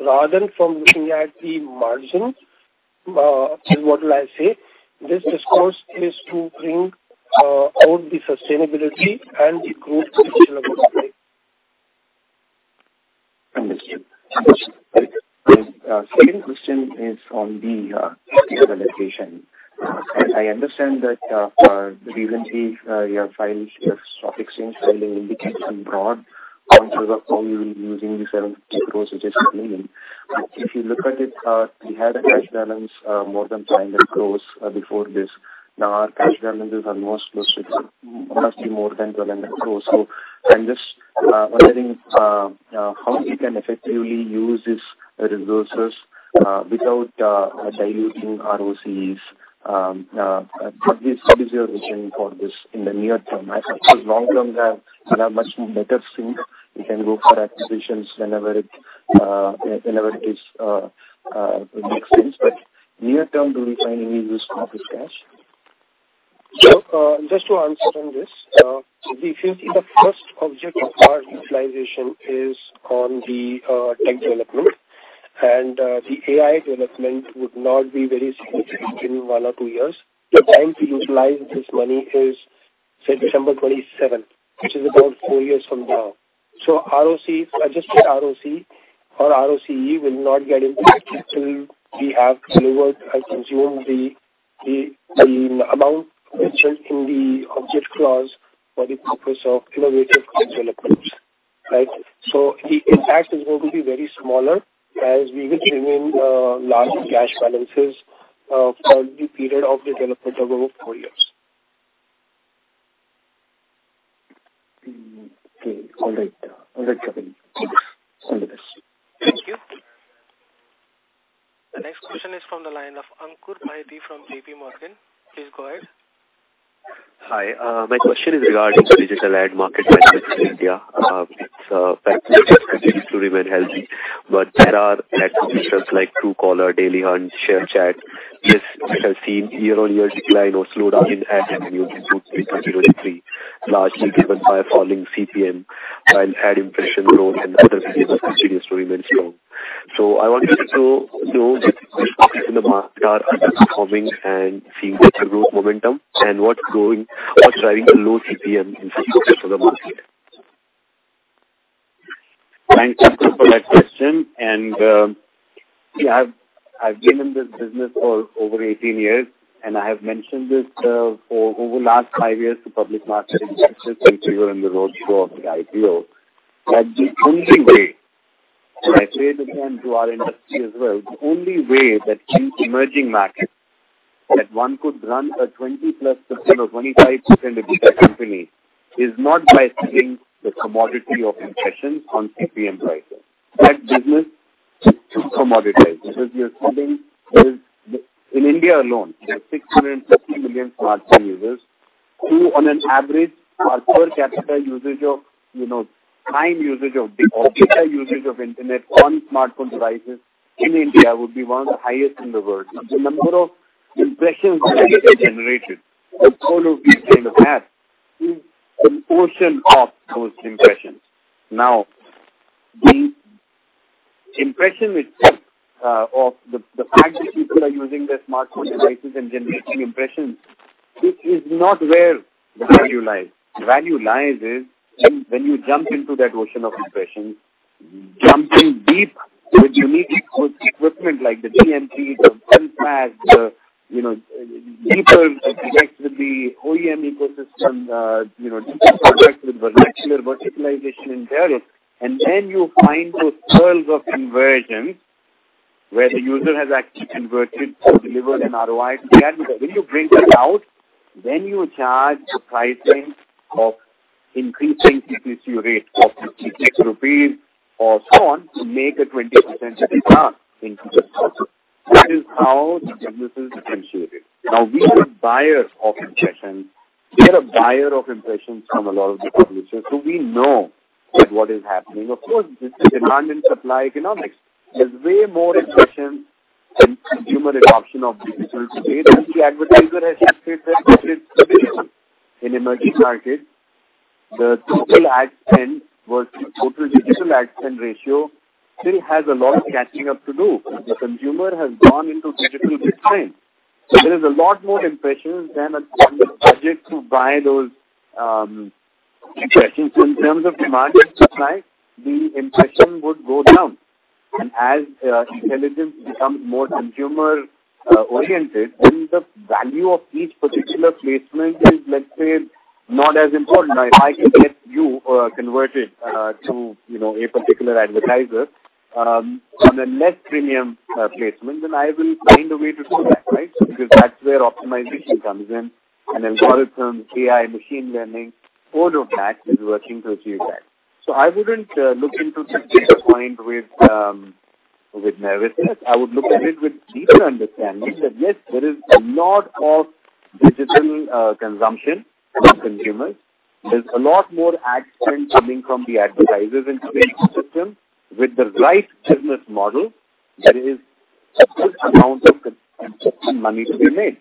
rather than from looking at the margin. What will I say? This discourse is to bring out the sustainability and the growth. Understood. Second question is on the realization. I understand that recently you have filed your stock exchange filing indicates some broad how you will be using the 70 billion, which is coming in. If you look at it, we had a cash balance more than 10 billion before this. Now, our cash balances are more, mostly more than 12 billion. So I'm just wondering how we can effectively use these resources without diluting ROCEs. What is your vision for this in the near term? As long term, we have much more better things. We can go for acquisitions whenever it is makes sense. But near term, do we find any use for this cash? So, just to answer on this, if you see the first object of our utilization is on the tech development, and the AI development would not be very significant in one or two years. The time to utilize this money is, say, December 2027, which is about four years from now. So ROC, adjusted ROC or ROCE will not get into action till we have delivered and consumed the amount mentioned in the object clause for the purpose of innovative developments, right? So the impact is going to be very smaller, as we will remain large cash balances for the period of development of over four years. Okay. All right. All right, Kevin. Thank you. Thank you. The next question is from the line of Ankur Rudra from JP Morgan. Please go ahead. Hi, my question is regarding the digital ad market in India. So continues to remain healthy, but there are applications like Truecaller, Daily Hunt, ShareChat, this has seen year-on-year decline or slowdown in ad revenue in 2023, largely driven by a falling CPM and ad impression growth and other videos continues to remain strong. So I wanted to know if these products in the market are underperforming and seeing better growth momentum, and what's going, what's driving the low CPM in for the market? Thanks, Ankur, for that question. And, yeah, I've been in this business for over 18 years, and I have mentioned this for over the last 5 years to public market since we were on the roadshow of the IPO, that the only way, and I say this again to our industry as well, the only way that these emerging markets, that one could run a 20+% or 25% EBITDA company, is not by selling the commodity of impressions on CPM prices. That business too commoditized, because you're selling. There is in India alone, there are 650 million smartphone users, who on an average, our per capita usage of, you know, time usage of, or data usage of internet on smartphone devices in India would be one of the highest in the world. The number of impressions generated, all of these kind of ads, is a portion of those impressions. Now, the impression which of the fact that people are using their smartphone devices and generating impressions, this is not where the value lies. The value lies is when you jump into that ocean of impressions, jump in deep, with unique equipment like the mDMP, the mFaaS, you know, deeper with the OEM ecosystem, you know, deeper product with the natural verticalization in there. And then you find those pearls of conversion, where the user has actually converted or delivered an ROI to the advertiser. When you bring that out, then you charge the pricing of increasing CPC rate of 56 rupees or so on, to make a 20% return in CPC. That is how the business is differentiated. Now, we are a buyer of impressions. We are a buyer of impressions from a lot of the publishers, so we know that what is happening. Of course, this is demand and supply economics. There's way more impressions and consumer adoption of digital today than the advertiser has expected than it is. In emerging markets, the total ad spend versus total digital ad spend ratio still has a lot of catching up to do. The consumer has gone into digital big time, so there is a lot more impressions than a budget to buy those impressions. In terms of demand and supply, the impression would go down. And as intelligence becomes more consumer oriented, then the value of each particular placement is, let's say, not as important. Now, if I can get you converted to, you know, a particular advertiser on a less premium placement, then I will find a way to do that, right? So because that's where optimization comes in and algorithms, AI, machine learning, all of that is working to achieve that. So I wouldn't look into this point with nervousness. I would look at it with deeper understanding, that yes, there is a lot of digital consumption from consumers. There's a lot more ad spend coming from the advertisers into the system. With the right business model, there is a good amount of money to be made.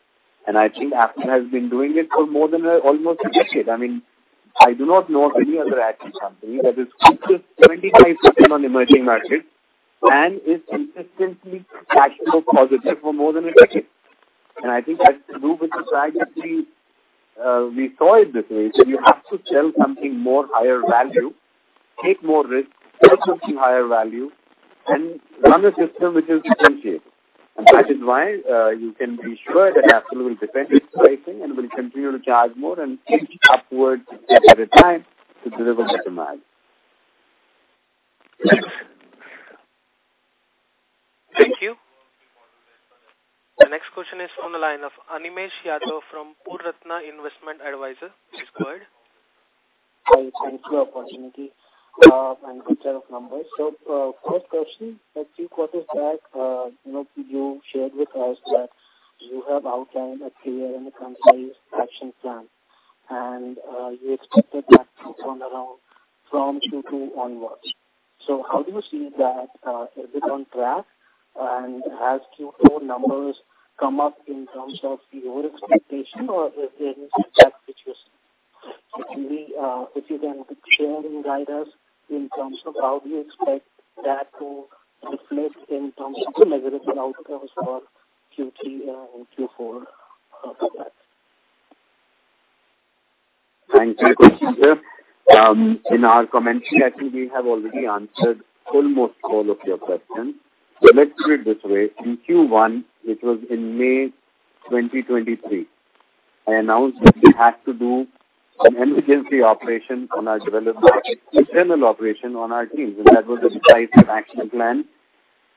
And I think Affle has been doing it for more than almost a decade. I mean, I do not know of any other ad tech company that is focused 75% on emerging markets and is consistently cash flow positive for more than a decade. And I think that has to do with the strategy. We saw it this way. So you have to sell something more higher value, take more risk, sell something higher value, and run a system which is differentiated. And that is why, you can be sure that Affle will defend its pricing, and we'll continue to charge more and inch upwards at a time to deliver better margin. Thank you. The next question is on the line of Animesh Yadav from Purnartha Investment Advisers. Please go ahead. Hi, thank you for the opportunity and good set of numbers. So, first question, a few quarters back, you know, you shared with us that you have outlined a clear and a concise action plan, and you expected that to turn around from Q2 onwards. So how do you see that, is it on track, and has Q4 numbers come up in terms of your expectation, or is there any gap which is... If you can share and guide us in terms of how do you expect that to reflect in terms of the measurable outcomes for Q3 and Q4? Thank you. In our commentary, actually, we have already answered almost all of your questions. So let's put it this way. In Q1, it was in May 2023, I announced that we had to do an emergency operation on our developer, internal operation on our teams, and that was the price of action plan,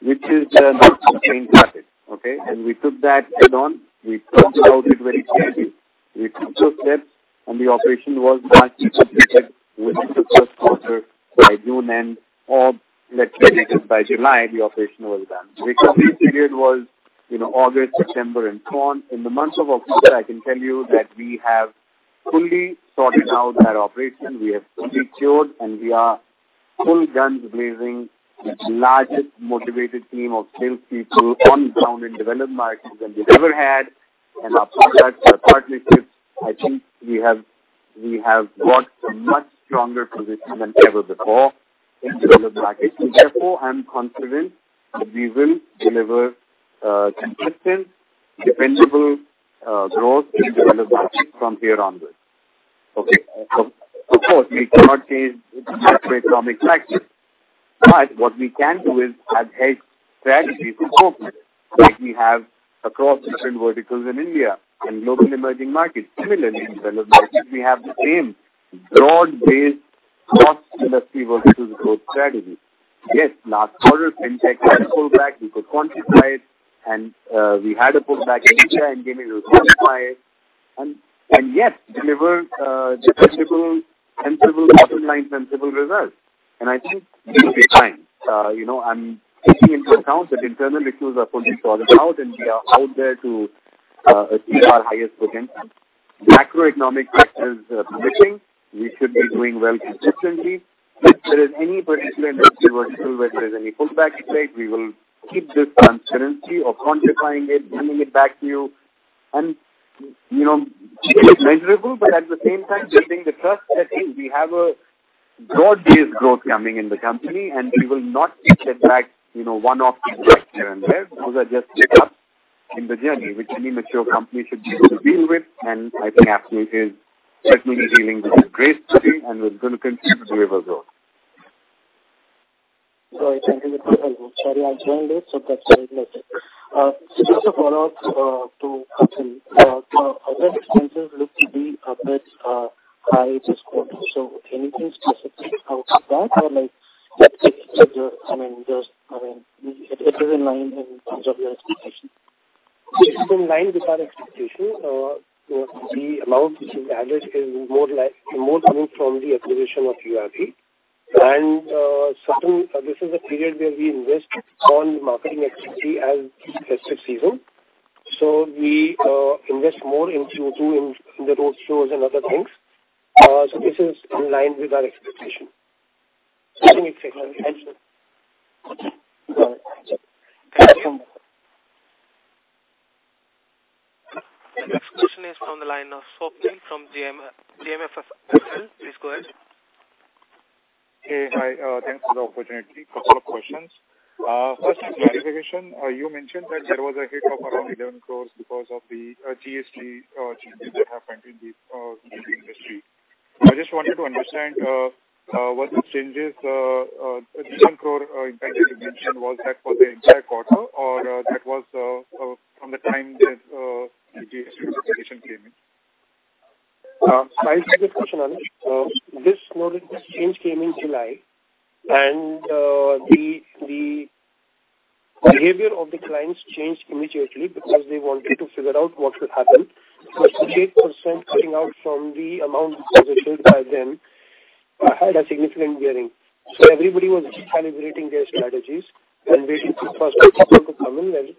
which is the not being started, okay? We took that head on. We thought about it very carefully. We took those steps, and the operation was largely completed within the Q1 by June end, or let's say, by July, the operation was done. The recovery period was, you know, August, September, and so on. In the month of October, I can tell you that we have fully sorted out that operation. We have fully cured, and we are full guns blazing, the largest motivated team of sales people on the ground in developed markets than we've ever had. And our products, our partnerships, I think we have, we have got a much stronger position than ever before in developed markets. And therefore, I'm confident that we will deliver, consistent, dependable, growth in developed markets from here onwards. Okay. Of course, we cannot change the macroeconomic factors, but what we can do is have strategies to complement, like we have across different verticals in India and global emerging markets. Similarly, in developed markets, we have the same broad-based cross-industry verticals growth strategy. Yes, last quarter, FinTech had a pullback, we could quantify it, and, we had a pullback in media and gaming, we quantify it. And, and yes, deliver, defensible, sensible, bottom line sensible results. I think this is the time. You know, I'm taking into account that internal issues are fully sorted out, and we are out there to achieve our highest potential. The macroeconomic factor is permitting. We should be doing well consistently. If there is any particular industry vertical where there's any pullback today, we will keep this transparency of quantifying it, bringing it back to you. And, you know, it is measurable, but at the same time, building the trust that, hey, we have a broad-based growth coming in the company, and we will not take it back, you know, one-off here and there. Those are just ups in the journey, which any mature company should be able to deal with, and I think Affle is certainly dealing with it gracefully, and we're going to continue to deliver growth.... Sorry, I think it will be helpful. Sorry, I'll join it, so that's why it noted. Just to follow up, to Kapil, other expenses look to be a bit high this quarter. So anything specific out of that or like, I mean, just, I mean, it is in line in terms of your expectation? It is in line with our expectation. You know, the amount which is added is more like, more coming from the acquisition of URP. This is a period where we invest on marketing activity as festive season. So we invest more into the road shows and other things. So this is in line with our expectation. Thank you. The next question is on the line of Swapnil from JM Financial. Please go ahead. Hey, hi, thanks for the opportunity. Couple of questions. First clarification, you mentioned that there was a hit of around 11 crore because of the GST changes that have happened in the industry. I just wanted to understand what the changes, 11 crore impact you mentioned, was that for the entire quarter, or that was from the time that the GST came in? Thanks for this question, Anish. This change came in July, and the behavior of the clients changed immediately because they wanted to figure out what will happen. But 8% coming out from the amount positioned by them had a significant bearing. So everybody was calibrating their strategies and waiting for to come in, and it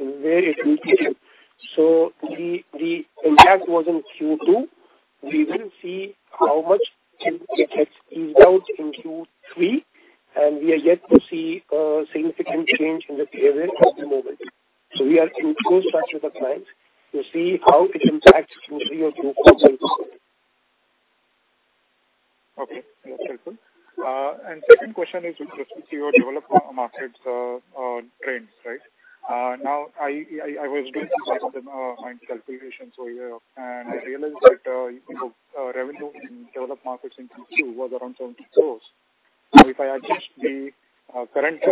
is very immediate. So the impact was in Q2. We will see how much it gets eased out in Q3, and we are yet to see a significant change in the behavior at the moment. So we are in close touch with the clients to see how it impacts Q3 or Q4. Okay, that's helpful. And second question is with respect to your developed markets trends, right? Now, I was doing some my calculations over here, and I realized that, you know, revenue in developed markets in Q2 was around 70 crore. So if I adjust the current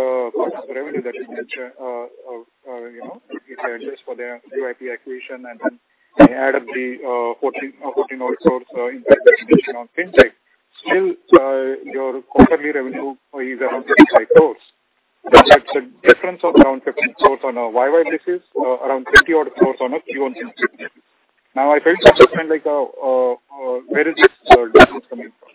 revenue that is, you know, if I adjust for the VIP acquisition, and then I added the 14 odd crore impact on FinTech, still, your quarterly revenue is around 35 crore. That's a difference of around 15 crore on a year-over-year basis, around 30 odd crore on a Q1 since. Now, I felt some kind like, where is this coming from?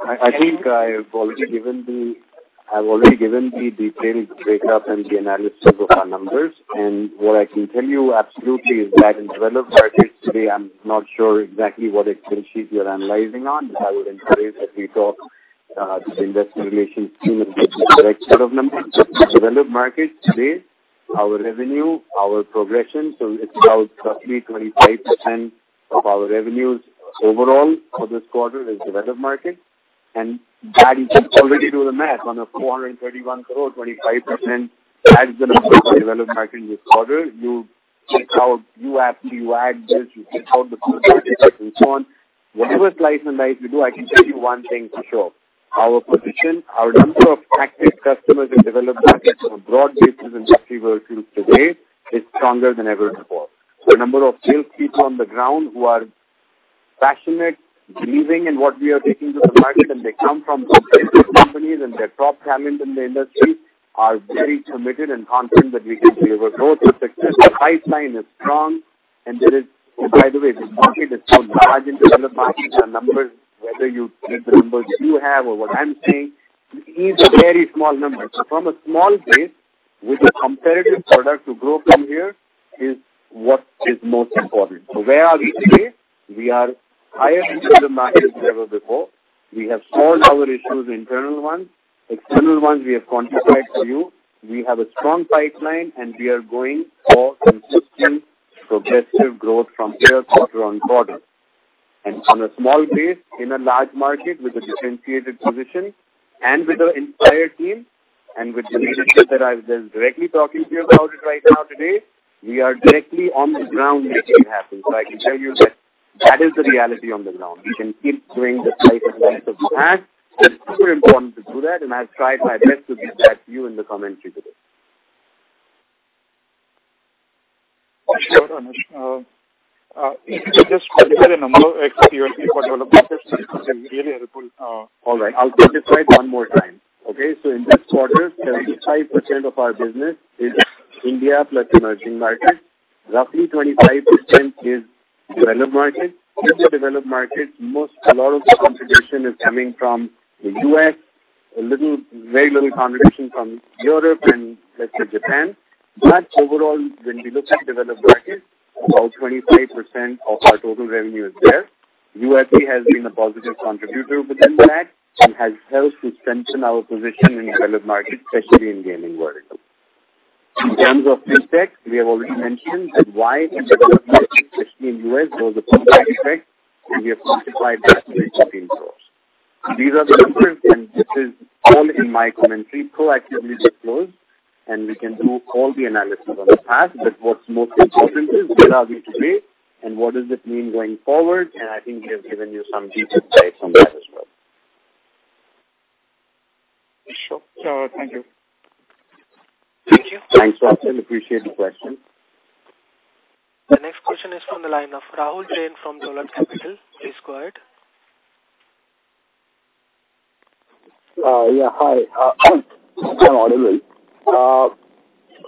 I think I've already given the detailed breakup and the analysis of our numbers. What I can tell you absolutely is that in developed markets today, I'm not sure exactly what spreadsheet you're analyzing on. I would encourage that we talk to the investment relations team and get the correct set of numbers. Developed markets today, our revenue, our progression, so it's about roughly 25% of our revenues overall for this quarter is developed markets. That you can already do the math. On a 431 crore, 25%, that's the number for developed markets this quarter. You check out, you ask, you add this, you check out the and so on. Whatever slice and dice you do, I can tell you one thing for sure: Our position, our number of active customers in developed markets on a broad basis, industry versus today, is stronger than ever before. The number of sales people on the ground who are passionate, believing in what we are taking to the market, and they come from companies, and they're top talent in the industry, are very committed and confident that we can deliver growth and success. The pipeline is strong, and there is... By the way, this market is so large in developed markets and numbers, whether you take the numbers you have or what I'm saying, is a very small number. So from a small base, with a competitive product to grow from here is what is most important. So where are we today? We are higher into the market than ever before. We have solved our issues, internal ones. External ones, we have quantified for you. We have a strong pipeline, and we are going for consistent, progressive growth from here quarter on quarter. And on a small base, in a large market, with a differentiated position and with our entire team, and with the leadership that I've been directly talking to you about it right now today, we are directly on the ground making it happen. So I can tell you that that is the reality on the ground. We can keep doing the same as we have. It's super important to do that, and I've tried my best to give that to you in the commentary today. Sure, Anish. If you could just clarify the number for developed markets, that's really helpful. All right. I'll take this slide one more time. Okay? So in this quarter, 75% of our business is India plus emerging markets. Roughly 25% is developed markets. In the developed markets, most, a lot of the competition is coming from the U.S., a little, very little competition from Europe and let's say Japan. But overall, when we look at developed markets, about 25% of our total revenue is there. UFC has been a positive contributor within that and has helped to strengthen our position in developed markets, especially in gaming world. In terms of FinTech, we have already mentioned that AI in development, especially in U.S., was a positive effect, and we have quantified that to 18 crore. These are the all in my commentary proactively disclosed, and we can do all the analysis on the past. What's most important is where are we today, and what does it mean going forward? I think we have given you some detailed insights on that as well. Sure. Thank you. Thank you. Thanks, Austin. Appreciate the question. The next question is from the line of Rahul Jain from Dolat Capital. Please go ahead. Yeah, hi. Am I audible?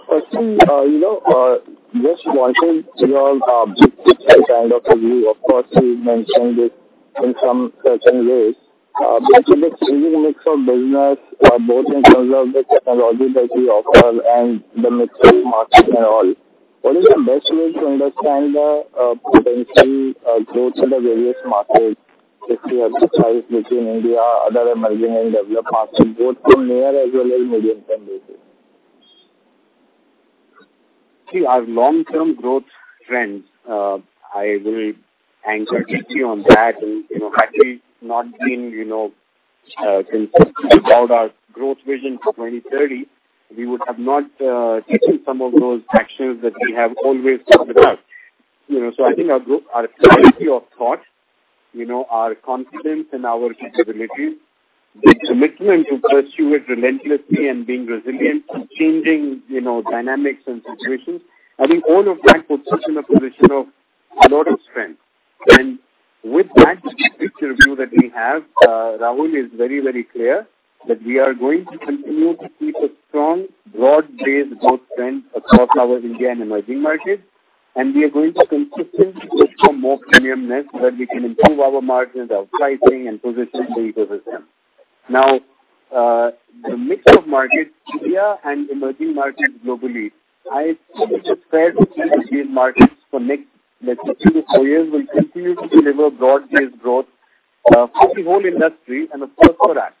Firstly, you know, just wanting to your big picture kind of review, of course, you mentioned it in some certain ways. But the mix of business, both in terms of the technology that we offer and the mix of markets and all, what is the best way to understand the potential growth of the various markets, 50-100 size, which in India, other emerging and developed markets, both from near as well as medium-term basis? See, our long-term growth trends, I will anchor deeply on that. And, you know, had we not been, you know, consistent about our growth vision for 2030, we would have not taken some of those actions that we have always talked about. You know, so I think our growth, our clarity of thought, you know, our confidence in our capabilities, the commitment to pursue it relentlessly and being resilient to changing, you know, dynamics and situations, I think all of that puts us in a position of a lot of strength. With that big picture view that we have, Rahul, is very, very clear that we are going to continue to keep a strong, broad-based growth trend across our India and emerging markets, and we are going to consistently push for more premiumness, where we can improve our margins, our pricing, and position the ecosystem. Now, the mix of markets, India and emerging markets globally, I think it's fair to see the Indian markets for next, let's say, 2-4 years, will continue to deliver broad-based growth, for the whole industry and, of course, for us.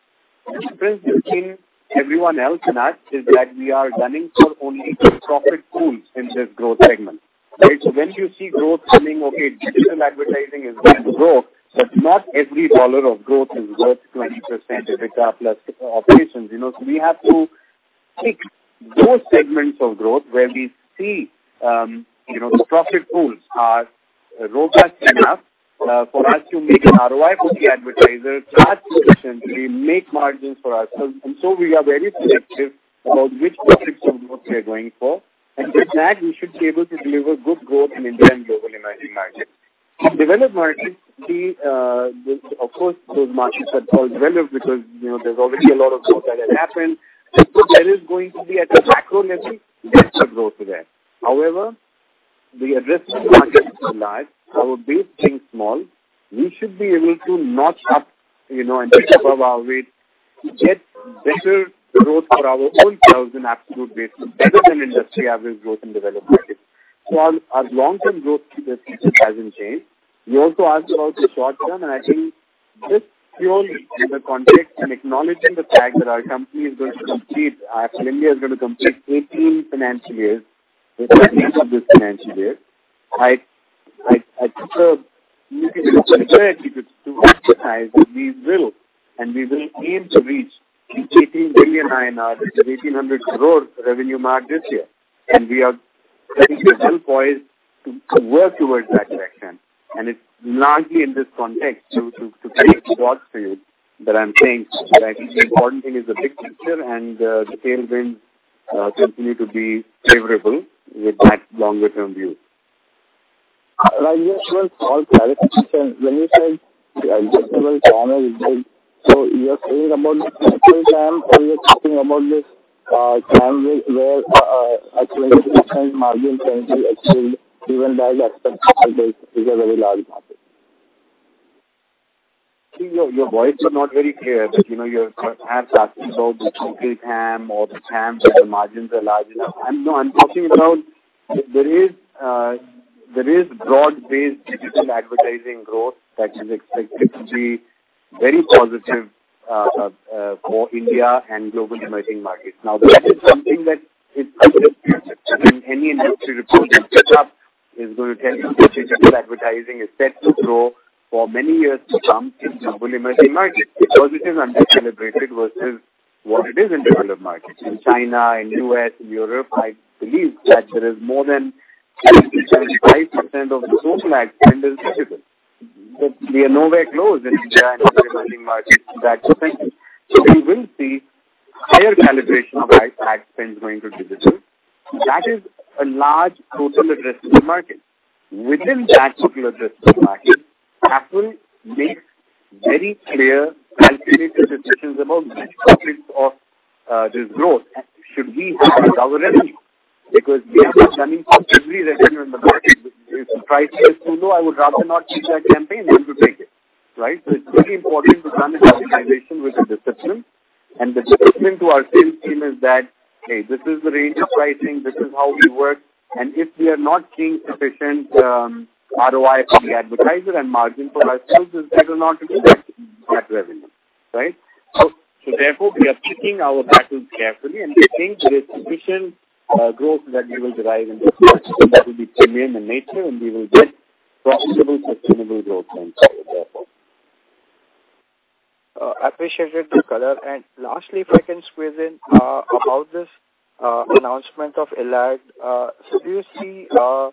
The difference between everyone else and us is that we are gunning for only profit pools in this growth segment, right? So when you see growth coming, okay, digital advertising is going to grow, but not every dollar of growth is worth 20% EBITDA plus operations. You know, so we have to pick those segments of growth where we see, you know, the profit pools are robust enough, for us to make an ROI for the advertisers. That's where we make margins for ourselves. And so we are very selective about which products and growth we are going for, and with that, we should be able to deliver good growth in India and global emerging markets. In developed markets, we, of course, those markets are called developed because, you know, there's already a lot of growth that has happened. So there is going to be, at a macro level, lesser growth there. However, the addressed markets are large. I would be think small. We should be able to notch up, you know, and think above our weight to get better growth for our own sales and absolute basis, better than industry average growth in developed markets. So our long-term growth hasn't changed. You also asked about the short term, and I think just purely in the context and acknowledging the fact that our company is going to complete, actually is going to complete 18 financial years at the end of this financial year, I think the spirit to emphasize that we will and we will aim to reach 18 billion INR, which is 1,800 crore revenue mark this year, and we are well poised to work towards that direction. It's largely in this context, very broad for you, that I'm saying that the important thing is the big picture and the tailwinds continue to be favorable with that longer-term view. I just want to clarify, when you said so you are saying about the potential TAM, or you are talking about this TAM where margin can be achieved even by the expected size, is a very large market. Your, your voice is not very clear, but, you know, you're asking about the total TAM or the TAM, so the margins are large enough. I'm talking about there is broad-based digital advertising growth that is expected to be very positive for India and global emerging markets. Now, that is something that is in any industry report that touch up is going to tell you that digital advertising is set to grow for many years to come in global emerging markets, because it is under-celebrated versus what it is in developed markets. In China, in U.S., in Europe, I believe that there is more than 75% of the total ad spend is digital. But we are nowhere close in India and other emerging markets to that percentage. So we will see higher calibration of ad spend going to digital. That is a large total addressable market. Within that total addressable market, Apple makes very clear, calculated decisions about which topics of this growth should we put our revenue? Because we are running from every revenue in the market. If the price is too low, I would rather not take that campaign than to take it, right? So it's very important to run the optimization with the discipline, and the discipline to our sales team is that, "Hey, this is the range of pricing, this is how we work, and if we are not seeing sufficient ROI from the advertiser and margin for ourselves, is better not to do that, that revenue," right? So therefore, we are picking our battles carefully, and we think there is sufficient growth that we will derive in this space, and that will be premium in nature, and we will get-... Sustainable growth mindset, therefore. Appreciated the color. And lastly, if I can squeeze in, about this announcement of Elad. So do you see the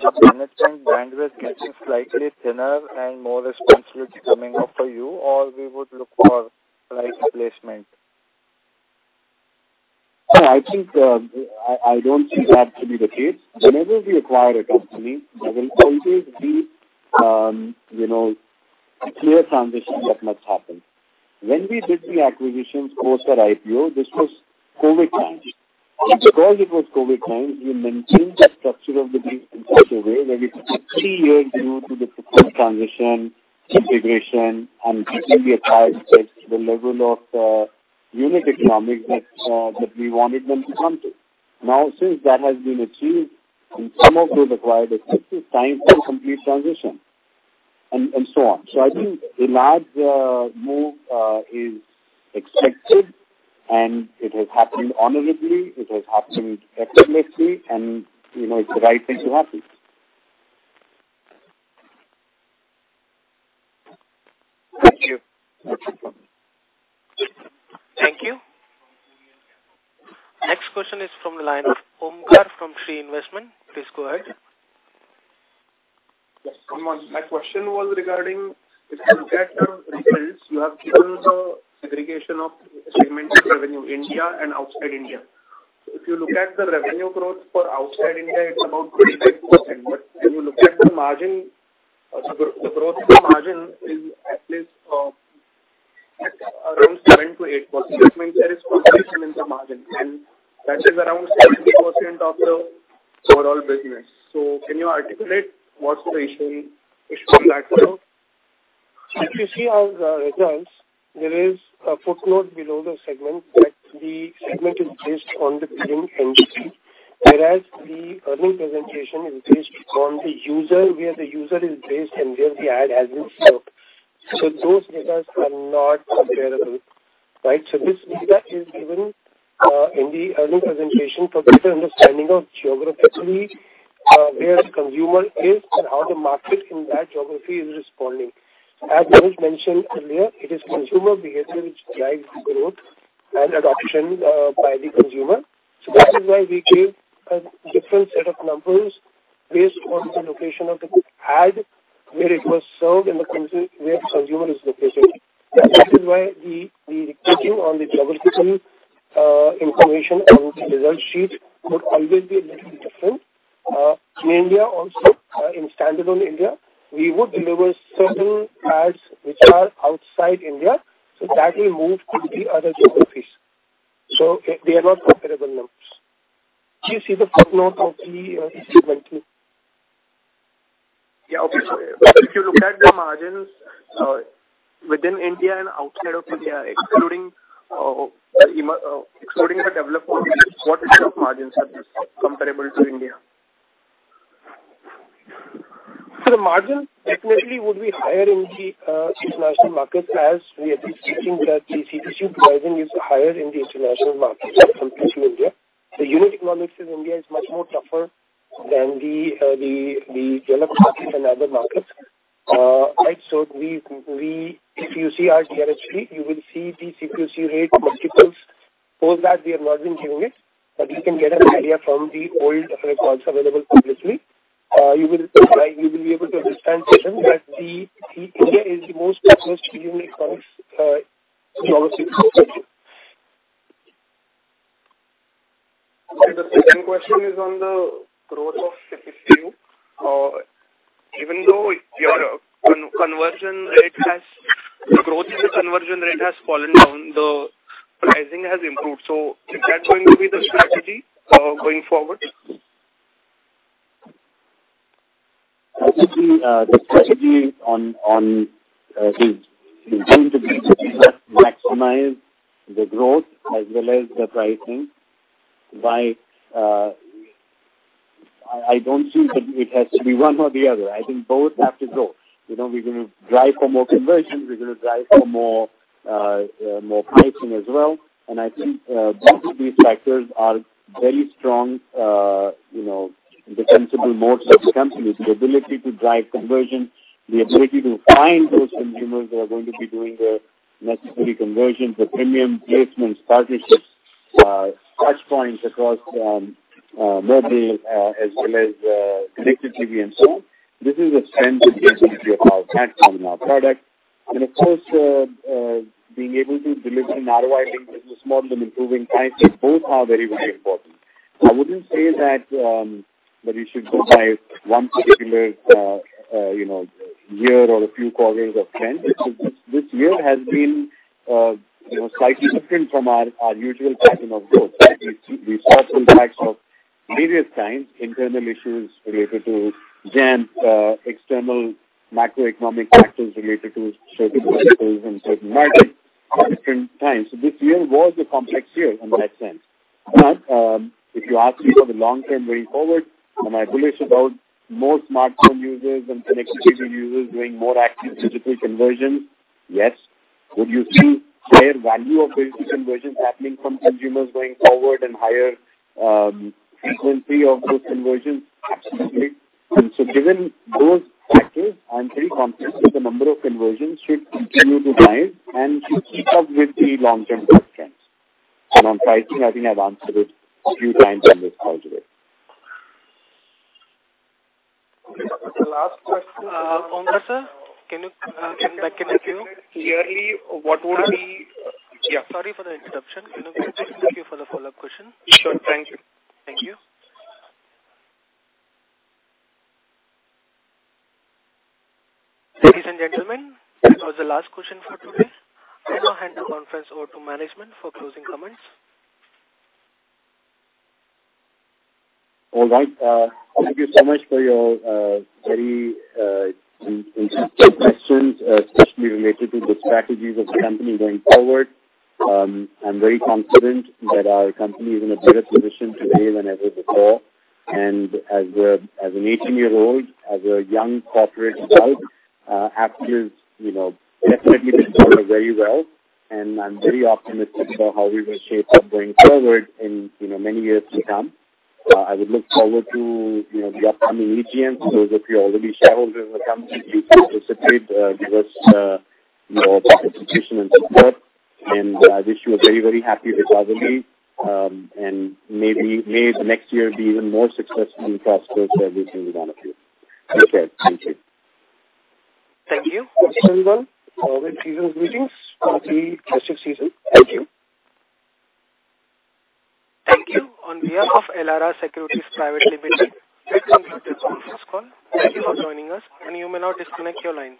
competitive bandwidth getting slightly thinner and more responsibility coming up for you, or we would look for price placement? No, I think, I, I don't see that to be the case. Whenever we acquire a company, there will always be, you know, a clear transition that must happen. When we did the acquisitions post our IPO, this was COVID times. And because it was COVID times, we maintained the structure of the business in such a way where we took three years due to the successful transition, integration, and until we achieved the level of, unit economics that, that we wanted them to come to. Now, since that has been achieved, and some of those acquired effective time to complete transition and, and so on. So I think Elad's, move, is expected, and it has happened honorably, it has happened effortlessly, and, you know, it's the right thing to happen. Thank you. Okay. Thank you. Next question is from the line of Omkar from SBI Investments. Please go ahead. Yes, my question was regarding if you look at the results. You have given the segregation of segmented revenue, India and outside India. If you look at the revenue growth for outside India, it's about 38%. But when you look at the margin, the growth of the margin is at least at around 7%-8%. That means there is compression in the margin, and that is around 70% of the overall business. So can you articulate what's the issue with that growth? If you see our results, there is a footnote below the segment that the segment is based on the billing entity, whereas the earnings presentation is based on the user, where the user is based and where the ad has been served. So those data are not comparable, right? So this data is given in the earnings presentation for better understanding of geographically where the consumer is and how the market in that geography is responding. As Manoj mentioned earlier, it is consumer behavior which drives the growth and adoption by the consumer. So that is why we gave a different set of numbers based on the location of the ad, where it was served and where the consumer is located. That is why the reporting on the geographical information and the result sheet would always be a little different. In India also, in standalone India, we would deliver certain ads which are outside India, so that will move to the other geographies. So they are not comparable numbers. Do you see the footnote of the statement? Yeah. Okay. But if you look at the margins within India and outside of India, excluding the development, what are the margins? Are they comparable to India? So the margin definitely would be higher in the international markets, as we have been seeing that the CPC pricing is higher in the international markets compared to India. The unit economics in India is much more tougher than the developed markets and other markets. Right, so we if you see our DRHP, you will see the CPC rate multiples. Those that we have not been giving it, but you can get an idea from the old records available publicly. You will be able to understand that India is the most exposed unit costs in our system. The second question is on the growth of CPCU. Even though your conversion rate has, the growth in the conversion rate has fallen down, the pricing has improved. So is that going to be the strategy going forward? Actually, the strategy is going to be to maximize the growth as well as the pricing by... I don't see that it has to be one or the other. I think both have to grow. You know, we're gonna drive for more conversions, we're gonna drive for more, more pricing as well. And I think both of these factors are very strong, you know, in the principal modes of the company. The ability to drive conversion, the ability to find those consumers that are going to be doing the necessary conversions, the premium placements, partnerships, touch points across, mobile, as well as, connected TV and so on. This is a strength and ability of our product. And of course, being able to deliver an ROI business model and improving prices, both are very, very important. I wouldn't say that that you should go by one particular, you know, year or a few quarters of trend. This year has been, you know, slightly different from our usual pattern of growth, right? We saw some facts of various times, internal issues related to Jampp, external macroeconomic factors related to certain cycles and certain markets at different times. So this year was a complex year in that sense. But if you ask me for the long term way forward, am I bullish about more smartphone users and connected TV users doing more active digital conversions? Yes. Would you see higher value of basic conversions happening from consumers going forward and higher frequency of those conversions? Absolutely. And so given those factors, I'm very confident that the number of conversions should continue to rise and should keep up with the long-term growth trends. And on pricing, I think I've answered it a few times on this call today. The last question. Ponga, sir, can you come back to you? Clearly, what would be- Sorry for the interruption. Can you please stay for the follow-up question? Sure. Thank you. Thank you. Ladies and gentlemen, that was the last question for today. I now hand the conference over to management for closing comments. All right. Thank you so much for your very interesting questions, especially related to the strategies of the company going forward. I'm very confident that our company is in a better position today than ever before. As a, as an 18-year-old, as a young corporate adult, Affle is, you know, definitely performing very well, and I'm very optimistic about how we will shape up going forward in, you know, many years to come. I would look forward to, you know, the upcoming AGM. Those of you already shareholders of the company, please participate, give us your participation and support. I wish you a very, very happy Diwali, and maybe may the next year be even more successful and prosperous for everything we want to do. Take care. Thank you. Thank you. Thank you all. With season's greetings for the festive season. Thank you. Thank you. On behalf of Elara Securities Private Limited, thank you for this conference call. Thank you for joining us, and you may now disconnect your line.